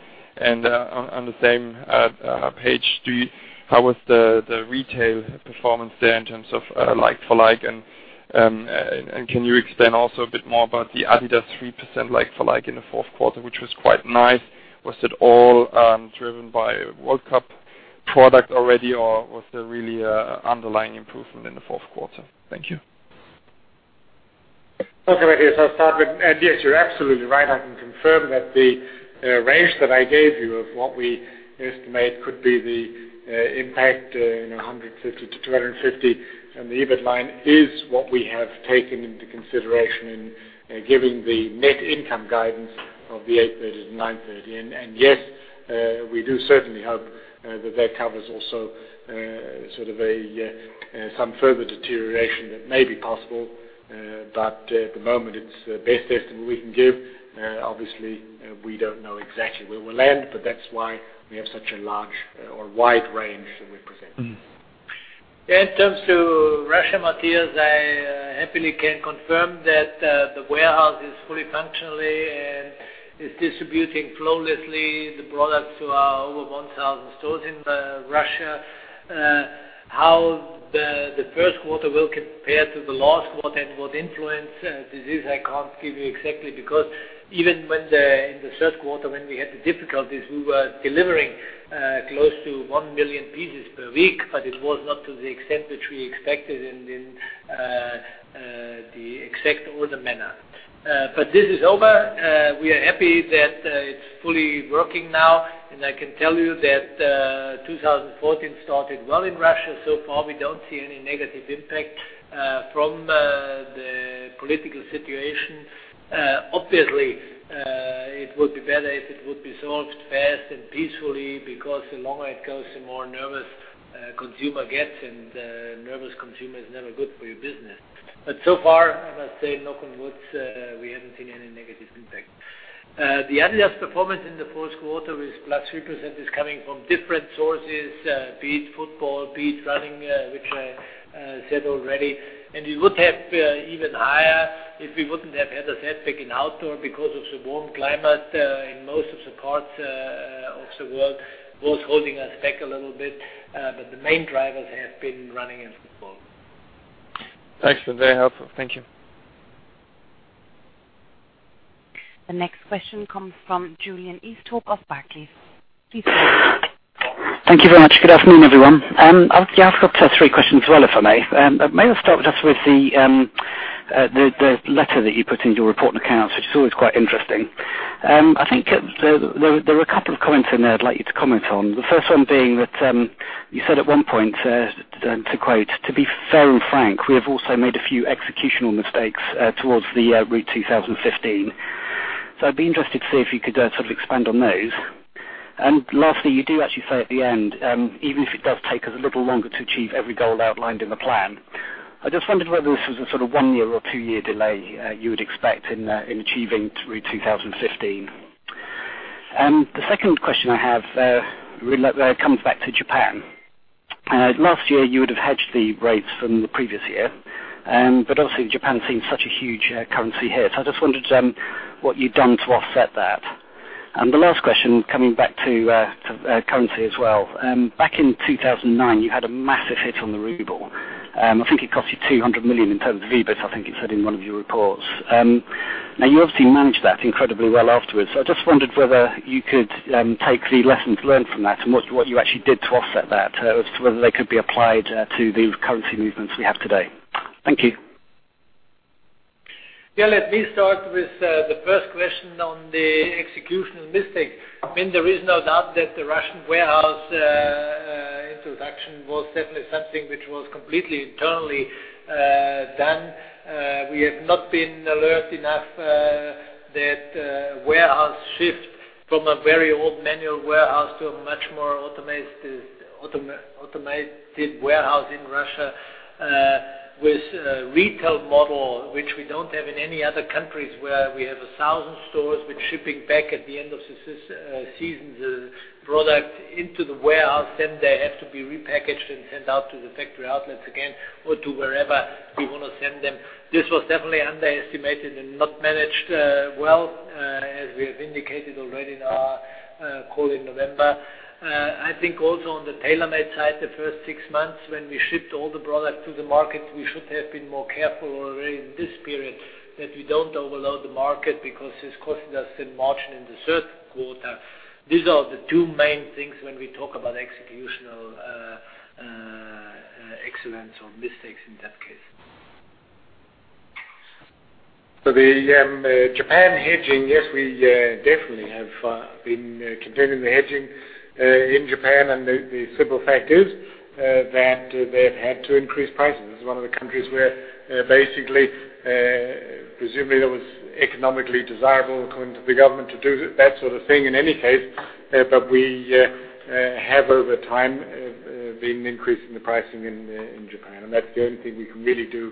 On the same page, how was the retail performance there in terms of like-for-like, and can you extend also a bit more about the adidas 3% like-for-like in the fourth quarter, which was quite nice. Was it all driven by World Cup product already, or was there really underlying improvement in the fourth quarter? Thank you. Okay, Matthias, I'll start with. Yes, you're absolutely right. I can confirm that the range that I gave you of what we estimate could be the impact in 150-250 on the EBIT line is what we have taken into consideration in giving the net income guidance of the 830-930. Yes, we do certainly hope that covers also some further deterioration that may be possible. At the moment, it's the best estimate we can give. Obviously, we don't know exactly where we'll land, but that's why we have such a large or wide range that we present. In terms to Russia, Matthias, I happily can confirm that the warehouse is fully functional and is distributing flawlessly the products to our over 1,000 stores in Russia. How the first quarter will compare to the last quarter and what influence this is, I can't give you exactly, because even in the third quarter, when we had the difficulties, we were delivering close to 1 million pieces per week, but it was not to the extent which we expected and in the exact order manner. This is over. We are happy that it's fully working now, and I can tell you that 2014 started well in Russia. So far, we don't see any negative impact from the political situation. Obviously, it would be better if it would be solved fast and peacefully, because the longer it goes, the more nervous consumer gets, and a nervous consumer is never good for your business. So far, I must say, knock on wood, we haven't seen any negative impact. The adidas performance in the fourth quarter with +3% is coming from different sources, be it football, be it running, which I said already. It would have been even higher if we wouldn't have had a setback in outdoor because of the warm climate in most of the parts of the world, holding us back a little bit. The main drivers have been running and football. Thanks for that. Helpful. Thank you. The next question comes from Julian Easthope of Barclays. Please go ahead. Thank you very much. Good afternoon, everyone. I've got three questions as well, if I may. May I start just with the letter that you put into your report and accounts, which is always quite interesting. I think there were a couple of comments in there I'd like you to comment on. The first one being that you said at one point, to quote, "To be fair and frank, we have also made a few executional mistakes towards the Route 2015." I'd be interested to see if you could expand on those. Lastly, you do actually say at the end, "Even if it does take us a little longer to achieve every goal outlined in the plan." I just wondered whether this was a sort of one year or two year delay you would expect in achieving through Route 2015. The second question I have really comes back to Japan. Last year, you would have hedged the rates from the previous year, but obviously Japan's seen such a huge currency hit. I just wondered what you'd done to offset that. The last question, coming back to currency as well. Back in 2009, you had a massive hit on the ruble. I think it cost you 200 million in terms of EBIT, I think it said in one of your reports. Now, you obviously managed that incredibly well afterwards. I just wondered whether you could take the lessons learned from that and what you actually did to offset that, as to whether they could be applied to the currency movements we have today. Thank you. Let me start with the first question on the executional mistake. There is no doubt that the Russian warehouse introduction was definitely something which was completely internally done. We have not been alert enough that warehouse shift from a very old manual warehouse to a much more automated warehouse in Russia with retail model, which we don't have in any other countries where we have 1,000 stores with shipping back at the end of the season, the product into the warehouse, then they have to be repackaged and sent out to the factory outlets again or to wherever we want to send them. This was definitely underestimated and not managed well, as we have indicated already in our call in November. I think also on the TaylorMade side, the first six months, when we shipped all the product to the market, we should have been more careful already in this period that we don't overload the market because it's costing us in margin in the third quarter. These are the two main things when we talk about executional accidents or mistakes in that case. For the Japan hedging, yes, we definitely have been continuing the hedging in Japan, the simple fact is that they have had to increase prices. It's one of the countries where basically, presumably that was economically desirable according to the government to do that sort of thing in any case. We have, over time, been increasing the pricing in Japan, and that's the only thing we can really do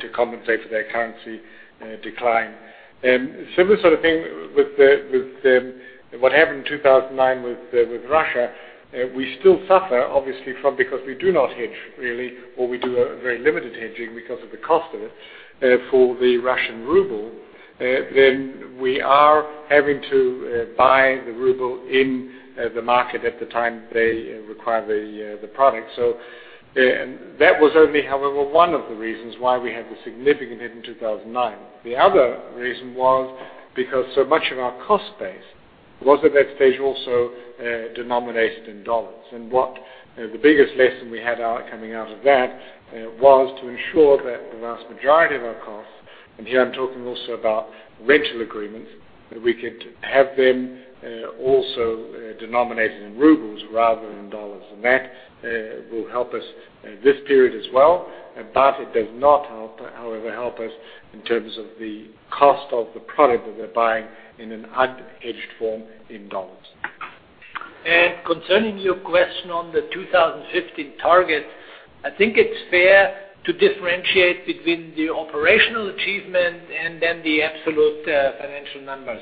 to compensate for that currency decline. Similar sort of thing with what happened in 2009 with Russia. We still suffer, obviously, because we do not hedge really, or we do a very limited hedging because of the cost of it for the Russian ruble. We are having to buy the ruble in the market at the time they require the product. That was only, however, one of the reasons why we had the significant hit in 2009. The other reason was because so much of our cost base was at that stage also denominated in U.S. dollars. The biggest lesson we had coming out of that was to ensure that the vast majority of our costs, and here I'm talking also about rental agreements, that we could have them also denominated in Russian rubles rather than U.S. dollars. That will help us this period as well, but it does not, however, help us in terms of the cost of the product that we're buying in an unhedged form in U.S. dollars. Concerning your question on the 2015 target, I think it's fair to differentiate between the operational achievement and the absolute financial numbers.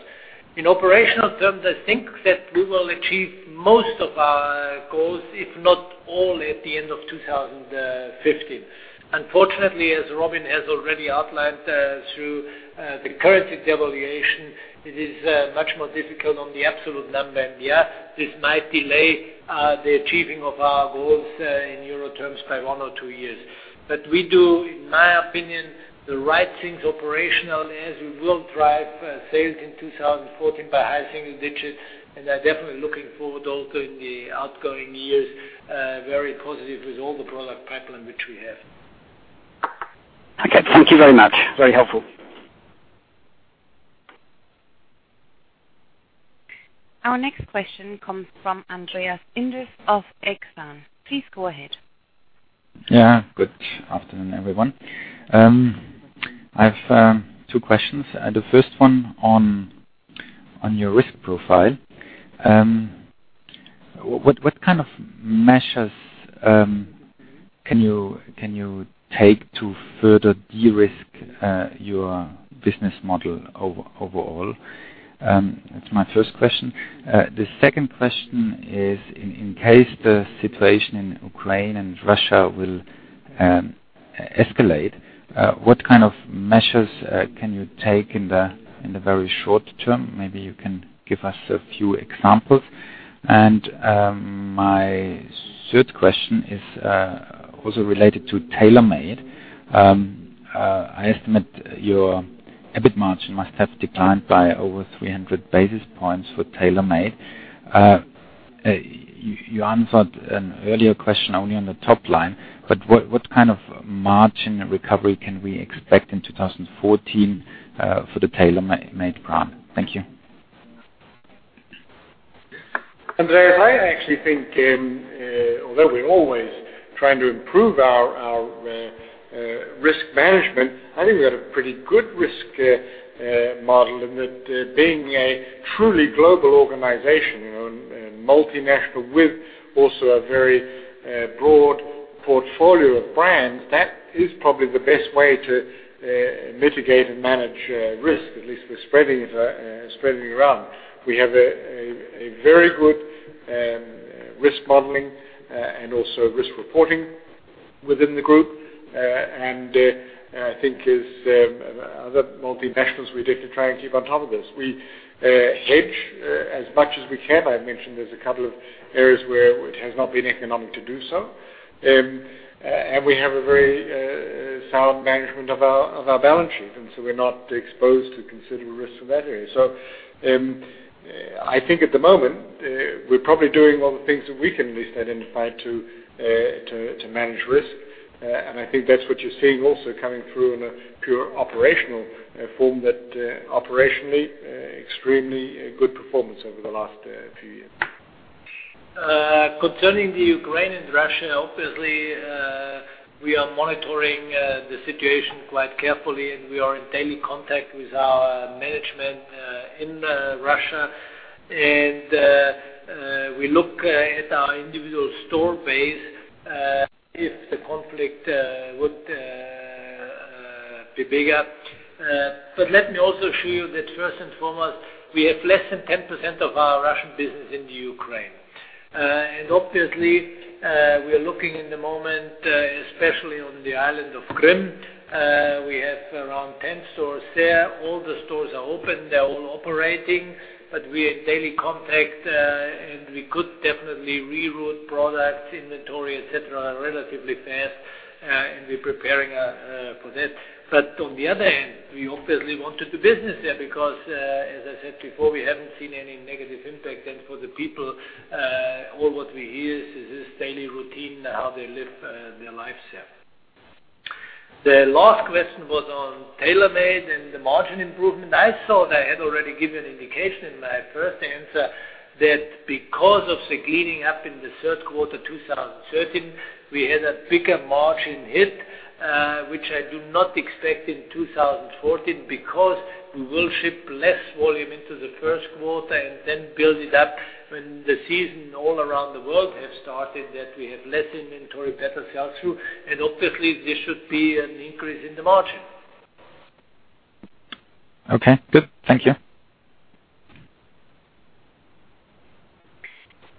In operational terms, I think that we will achieve most of our goals, if not all, at the end of 2015. Unfortunately, as Robin has already outlined, through the currency devaluation, it is much more difficult on the absolute number. Yeah, this might delay the achieving of our goals in EUR terms by one or two years. We do, in my opinion, the right things operationally as we will drive sales in 2014 by high single digits, and I'm definitely looking forward also in the outgoing years, very positive with all the product pipeline which we have. Okay, thank you very much. Very helpful. Our next question comes from Andreas Inderst of Exane. Please go ahead. Good afternoon, everyone. I have two questions. The first one on your risk profile. What kind of measures can you take to further de-risk your business model overall? That's my first question. The second question is, in case the situation in Ukraine and Russia will escalate, what kind of measures can you take in the very short term? Maybe you can give us a few examples. My third question is also related to TaylorMade. I estimate your EBIT margin must have declined by over 300 basis points for TaylorMade. You answered an earlier question only on the top line, but what kind of margin recovery can we expect in 2014 for the TaylorMade brand? Thank you. Andreas, I actually think although we always trying to improve our risk management, I think we have a pretty good risk model and that being a truly global organization, multinational with also a very broad portfolio of brands. That is probably the best way to mitigate and manage risk. At least we're spreading it around. We have a very good risk modeling and also risk reporting within the group. I think as other multinationals, we definitely try and keep on top of this. We hedge as much as we can. I mentioned there's a couple of areas where it has not been economic to do so. We have a very sound management of our balance sheet, we're not exposed to considerable risks in that area. I think at the moment, we're probably doing all the things that we can at least identify to manage risk. I think that's what you're seeing also coming through in a pure operational form that operationally extremely good performance over the last few years. Concerning Ukraine and Russia, we are monitoring the situation quite carefully, we are in daily contact with our management in Russia. We look at our individual store base, if the conflict would be bigger. Let me also show you that first and foremost, we have less than 10% of our Russian business in Ukraine. We are looking in the moment, especially on the island of Crimea. We have around 10 stores there. All the stores are open. They are all operating. We are in daily contact, we could definitely reroute products, inventory, et cetera, relatively fast. We are preparing for that. On the other hand, we obviously want to do business there because, as I said before, we have not seen any negative impact. For the people, all what we hear is this daily routine, how they live their lives there. The last question was on TaylorMade and the margin improvement. I thought I had already given an indication in my first answer that because of the cleaning up in the third quarter 2013, we had a bigger margin hit, which I do not expect in 2014 because we will ship less volume into the first quarter and then build it up when the season all around the world have started, that we have less inventory, better sell-through, and obviously, there should be an increase in the margin. Okay, good. Thank you.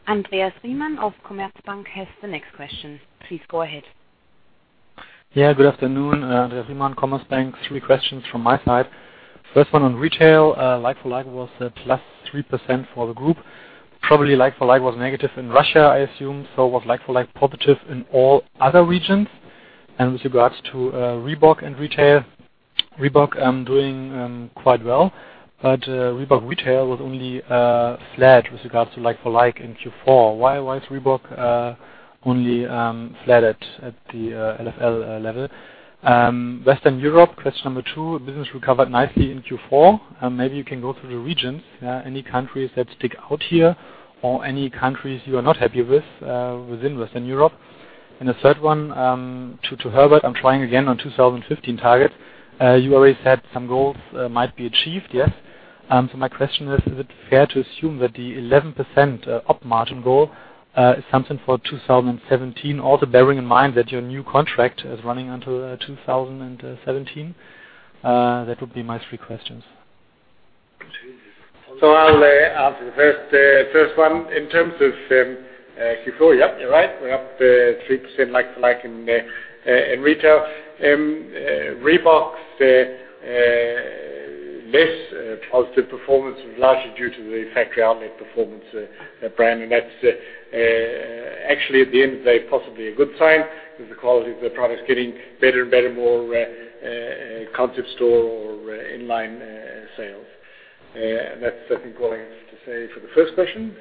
Andreas Riemann of Commerzbank has the next question. Please go ahead. Good afternoon. Andreas Riemann, Commerzbank. Three questions from my side. First one on retail. Like-for-like was at +3% for the group. Probably like-for-like was negative in Russia, I assume. Was like-for-like positive in all other regions? With regards to Reebok and retail, Reebok doing quite well. Reebok retail was only flat with regards to like-for-like in Q4. Why is Reebok only flat at the LFL level? Western Europe, question number 2, business recovered nicely in Q4. Maybe you can go through the regions. Any countries that stick out here or any countries you are not happy with within Western Europe? The third one, to Herbert, I'm trying again on 2015 target. You already said some goals might be achieved, yes? My question is it fair to assume that the 11% up margin goal is something for 2017, also bearing in mind that your new contract is running until 2017? That would be my three questions. I'll answer the first one. In terms of Q4, yep, you're right. We're up 3% like-for-like in retail. Reebok, less positive performance was largely due to the factory outlet performance brand. That's actually, at the end of the day, possibly a good sign because the quality of the product is getting better and better, more concept store or in-line sales. That's what I'm going to say for the first question.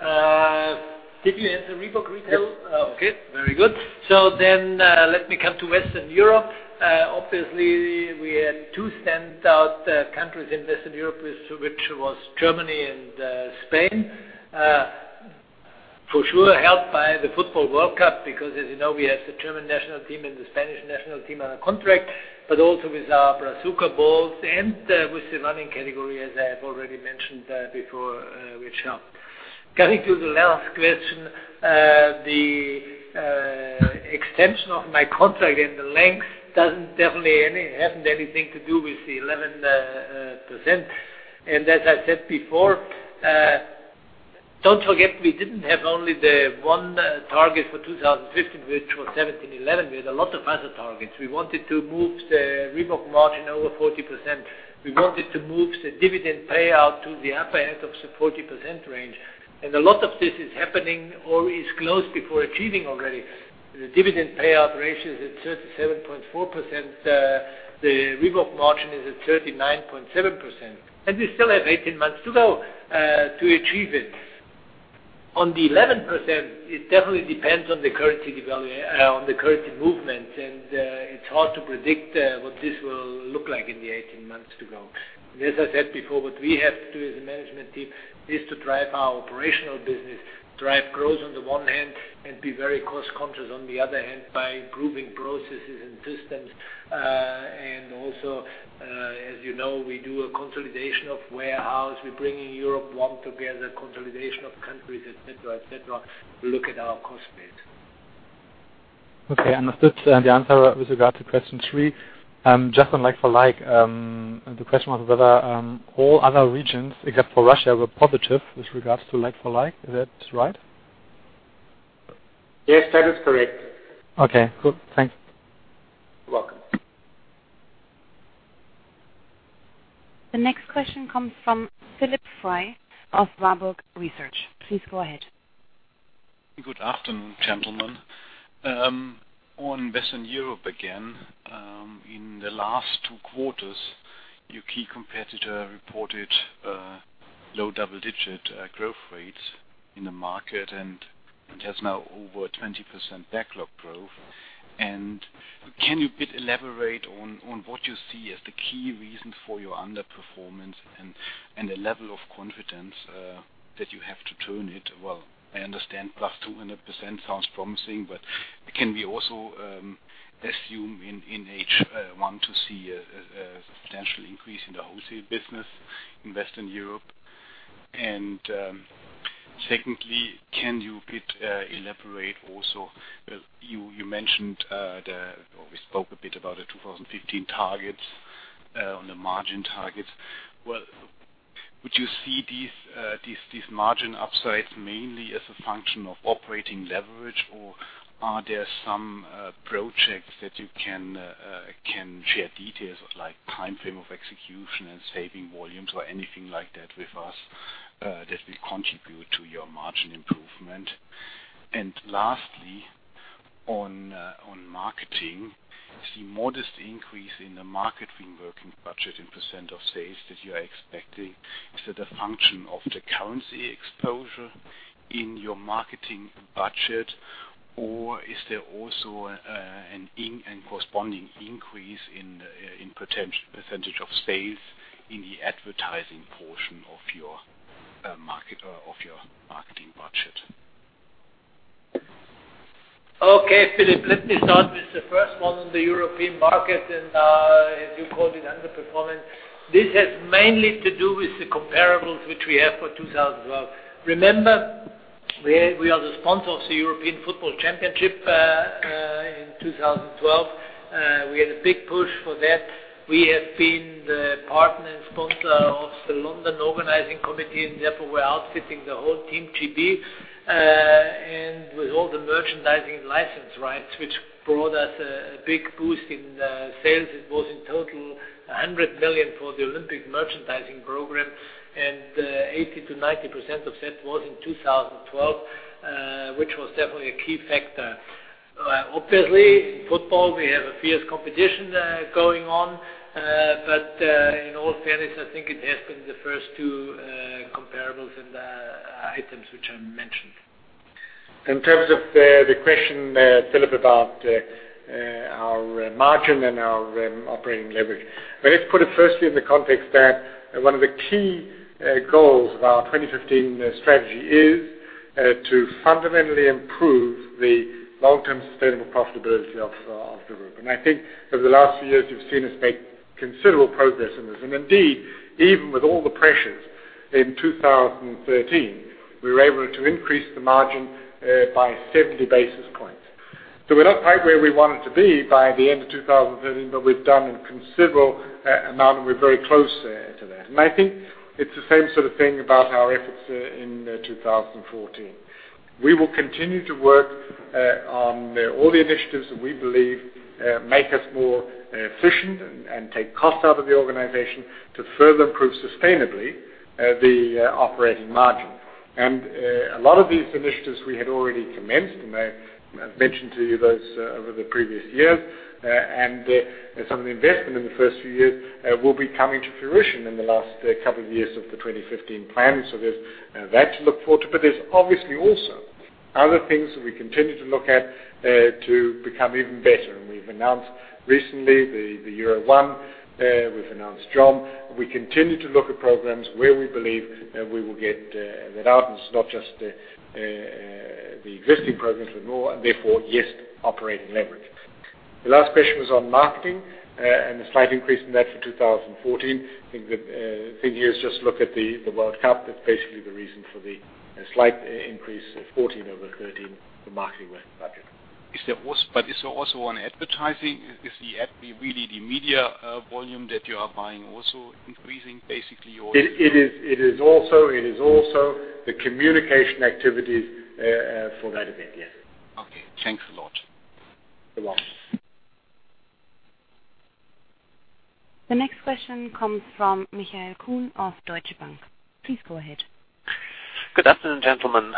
Herbert? Did you answer Reebok retail? Yes. Very good. Let me come to Western Europe. Obviously, we had two standout countries in Western Europe, which were Germany and Spain. For sure, helped by the football World Cup, because as you know, we have the German national team and the Spanish national team on a contract, but also with our Brazuca balls and with the running category, as I have already mentioned before, which helped. Coming to the last question, the extension of my contract and the length definitely has nothing to do with the 11%. As I said before, don't forget, we didn't have only the one target for 2015, which was 1711. We had a lot of other targets. We wanted to move the Reebok margin over 40%. We wanted to move the dividend payout to the upper end of the 40% range. A lot of this is happening or is close before achieving already. The dividend payout ratio is at 37.4%. The Reebok margin is at 39.7%, and we still have 18 months to go to achieve it. On the 11%, it definitely depends on the currency movement, and it's hard to predict what this will look like in the 18 months to go. As I said before, what we have to do as a management team is to drive our operational business, drive growth on the one hand, and be very cost-conscious on the other hand by improving processes and systems. As you know, we do a consolidation of warehouse. We bring Europe ONE together, consolidation of countries, et cetera. We look at our cost base. Understood the answer with regard to question 3. Just on like-for-like, the question was whether all other regions except for Russia were positive with regard to like-for-like. Is that right? Yes, that is correct. Okay, cool. Thanks. You're welcome. The next question comes from Philip Frey of Warburg Research. Please go ahead. Good afternoon, gentlemen. On Western Europe again, in the last two quarters, your key competitor reported low double-digit growth rates in the market and has now over a 20% backlog growth. Can you elaborate on what you see as the key reason for your underperformance and the level of confidence that you have to turn it? Well, I understand plus 200% sounds promising, can we also assume in H1 to see a substantial increase in the wholesale business in Western Europe? Secondly, can you elaborate also, you mentioned or we spoke a bit about the 2015 targets on the margin targets. Would you see these margin upsides mainly as a function of operating leverage? Are there some projects that you can share details like timeframe of execution and saving volumes or anything like that with us that will contribute to your margin improvement? Lastly, on marketing, I see modest increase in the marketing working budget in percent of sales that you are expecting. Is it a function of the currency exposure in your marketing budget? Or is there also a corresponding increase in percentage of sales in the advertising portion of your marketing budget? Okay, Philip, let me start with the first one on the European market, and as you called it, underperformance. This has mainly to do with the comparables which we have for 2012. Remember, we are the sponsor of the European Football Championship, in 2012. We had a big push for that. We have been the partner and sponsor of the London Organising Committee, therefore, we're outfitting the whole Team GB. With all the merchandising license rights, which brought us a big boost in sales. It was in total 100 million for the Olympic merchandising program, 80%-90% of that was in 2012, which was definitely a key factor. Obviously, in football, we have a fierce competition going on. In all fairness, I think it has been the first two comparables and items which I mentioned. In terms of the question, Philip, about our margin and our operating leverage. Let's put it firstly in the context that one of the key goals of our Route 2015 is to fundamentally improve the long-term sustainable profitability of the group. I think over the last few years, you've seen us make considerable progress in this. Indeed, even with all the pressures in 2013, we were able to increase the margin by 70 basis points. We're not quite where we wanted to be by the end of 2013, but we've done a considerable amount and we're very close to that. I think it's the same sort of thing about our efforts in 2014. We will continue to work on all the initiatives that we believe make us more efficient and take cost out of the organization to further improve, sustainably, the operating margin. A lot of these initiatives we had already commenced, I mentioned to you those over the previous years. Some of the investment in the first few years will be coming to fruition in the last couple of years of the Route 2015. There's that to look forward to. There's obviously also other things that we continue to look at to become even better. We've announced recently the Europe ONE, we've announced JOM. We continue to look at programs where we believe we will get that out, it's not just the existing programs, but more, therefore, yes, operating leverage. The last question was on marketing and the slight increase in that for 2014. I think the thing here is just look at the World Cup. That's basically the reason for the slight increase of 2014 over 2013, the marketing budget. Is it also on advertising? Is the ad really the media volume that you are buying also increasing? It is also the communication activities for that event, yes. Okay, thanks a lot. You're welcome. The next question comes from Michael Kuhn of Deutsche Bank. Please go ahead. Good afternoon, gentlemen.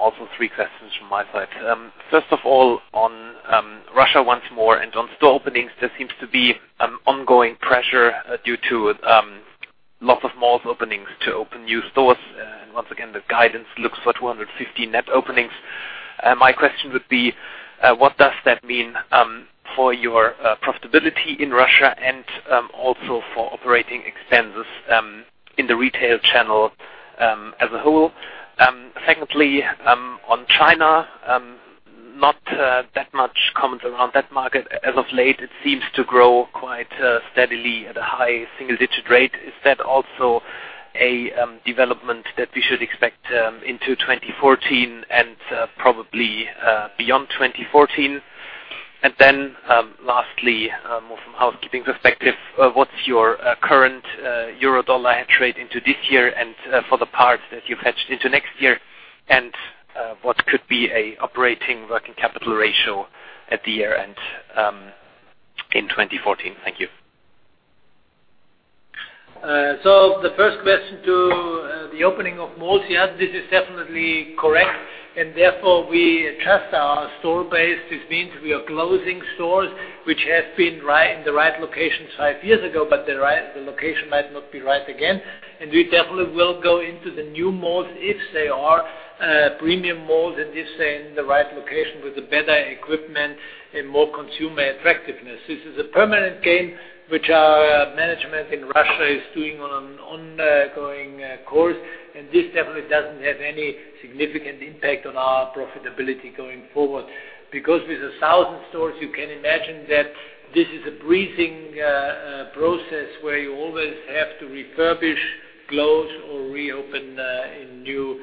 Also three questions from my side. First of all, on Russia once more and on store openings. There seems to be an ongoing pressure due to lots of malls openings to open new stores. Once again, the guidance looks for 250 net openings. My question would be, what does that mean for your profitability in Russia and also for operating expenses in the retail channel as a whole? Secondly, on China, not that much comment around that market as of late. It seems to grow quite steadily at a high single-digit rate. Is that also a development that we should expect into 2014 and probably beyond 2014? Lastly, more from a housekeeping perspective, what's your current euro-dollar trade into this year and for the part that you've hedged into next year? What could be an operating working capital ratio at the year-end in 2014? Thank you. The first question to the opening of malls. Yeah, this is definitely correct. Therefore, we adjust our store base. This means we are closing stores, which have been in the right locations five years ago, but the location might not be right again. We definitely will go into the new malls if they are premium malls, and this in the right location with the better equipment and more consumer attractiveness. This is a permanent game which our management in Russia is doing on an ongoing course, and this definitely doesn't have any significant impact on our profitability going forward. With 1,000 stores, you can imagine that this is a breathing process where you always have to refurbish, close, or reopen in new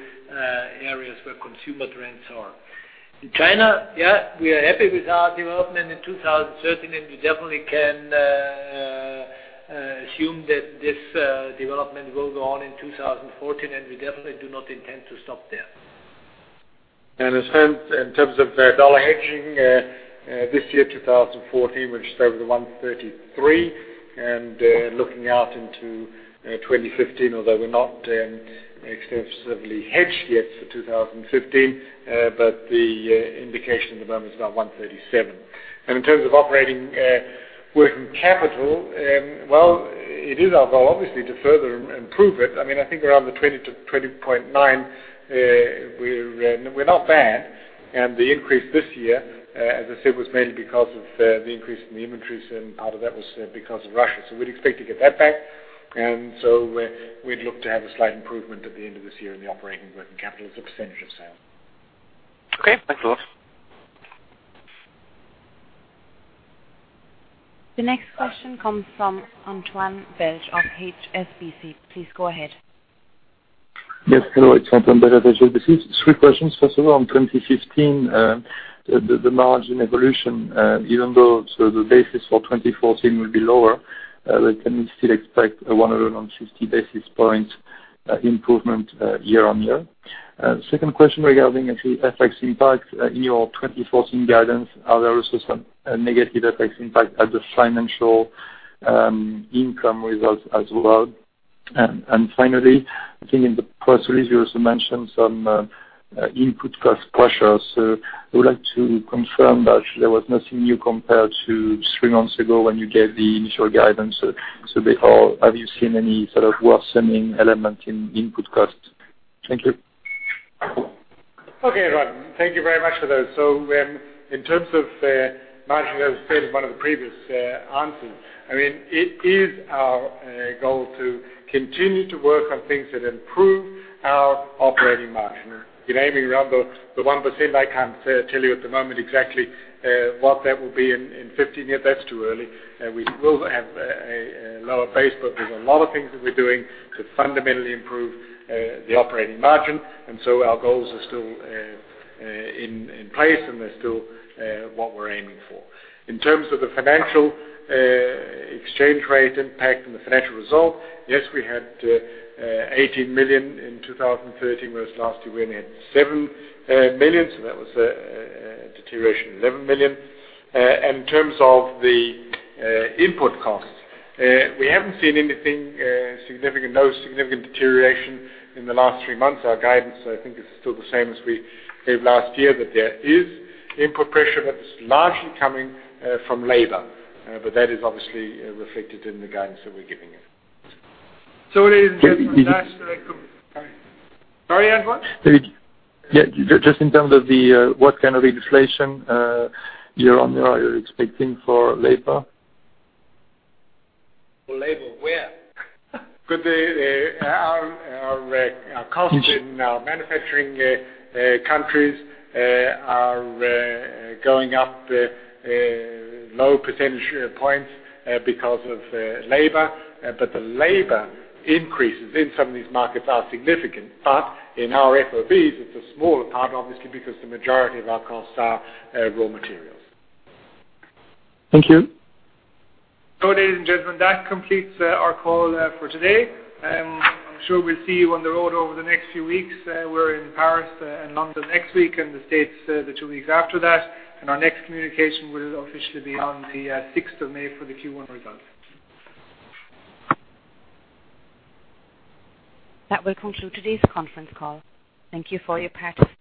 areas where consumer trends are. In China, yeah, we are happy with our development in 2013. We definitely can assume that this development will go on in 2014. We definitely do not intend to stop there. In terms of dollar hedging, this year, 2014, we're just over the 133. Looking out into 2015, although we're not extensively hedged yet for 2015, the indication at the moment is about 137. In terms of operating working capital, well, it is our goal, obviously, to further improve it. I think around the 20%-20.9%, we're not bad. The increase this year, as I said, was mainly because of the increase in the inventories, part of that was because of Russia. We'd expect to get that back. We'd look to have a slight improvement at the end of this year in the operating working capital as a percentage of sale. Okay, thanks a lot. The next question comes from Antoine Belge of HSBC. Please go ahead. Hello, it's Antoine Belge with HSBC. Three questions. First of all, on 2015, the margin evolution, even though the basis for 2014 will be lower, can we still expect 160 basis points improvement year-over-year? Second question regarding actually FX impact in your 2014 guidance. Are there also some negative FX impact at the financial income results as well? Finally, I think in the press release you also mentioned some input cost pressures. I would like to confirm that there was nothing new compared to three months ago when you gave the initial guidance. Before, have you seen any sort of worsening element in input costs? Thank you. Okay, Antoine. Thank you very much for those. In terms of margin, as I said in one of the previous answers, it is our goal to continue to work on things that improve our operating margin. You're aiming around the 1%, I can't tell you at the moment exactly what that will be in 2015 yet. That's too early. We will have a lower base, but there's a lot of things that we're doing to fundamentally improve the operating margin. Our goals are still in place, and they're still what we're aiming for. In terms of the financial exchange rate impact and the financial result, yes, we had 18 million in 2013 whereas last year we only had 7 million, so that was a deterioration of 11 million. In terms of the input costs, we haven't seen anything significant, no significant deterioration in the last three months. Our guidance, I think is still the same as we gave last year, that there is input pressure that's largely coming from labor. That is obviously reflected in the guidance that we're giving you. David? Sorry, Antoine? David. Just in terms of what kind of inflation year-over-year are you expecting for labor? For labor where? Our costs in our manufacturing countries are going up low percentage points because of labor. The labor increases in some of these markets are significant. In our FOBs, it's a smaller part, obviously, because the majority of our costs are raw materials. Thank you. Ladies and gentlemen, that completes our call for today, and I'm sure we'll see you on the road over the next few weeks. We're in Paris and London next week and the States the two weeks after that. Our next communication will officially be on the 6th of May for the Q1 results. That will conclude today's conference call. Thank you for your participation.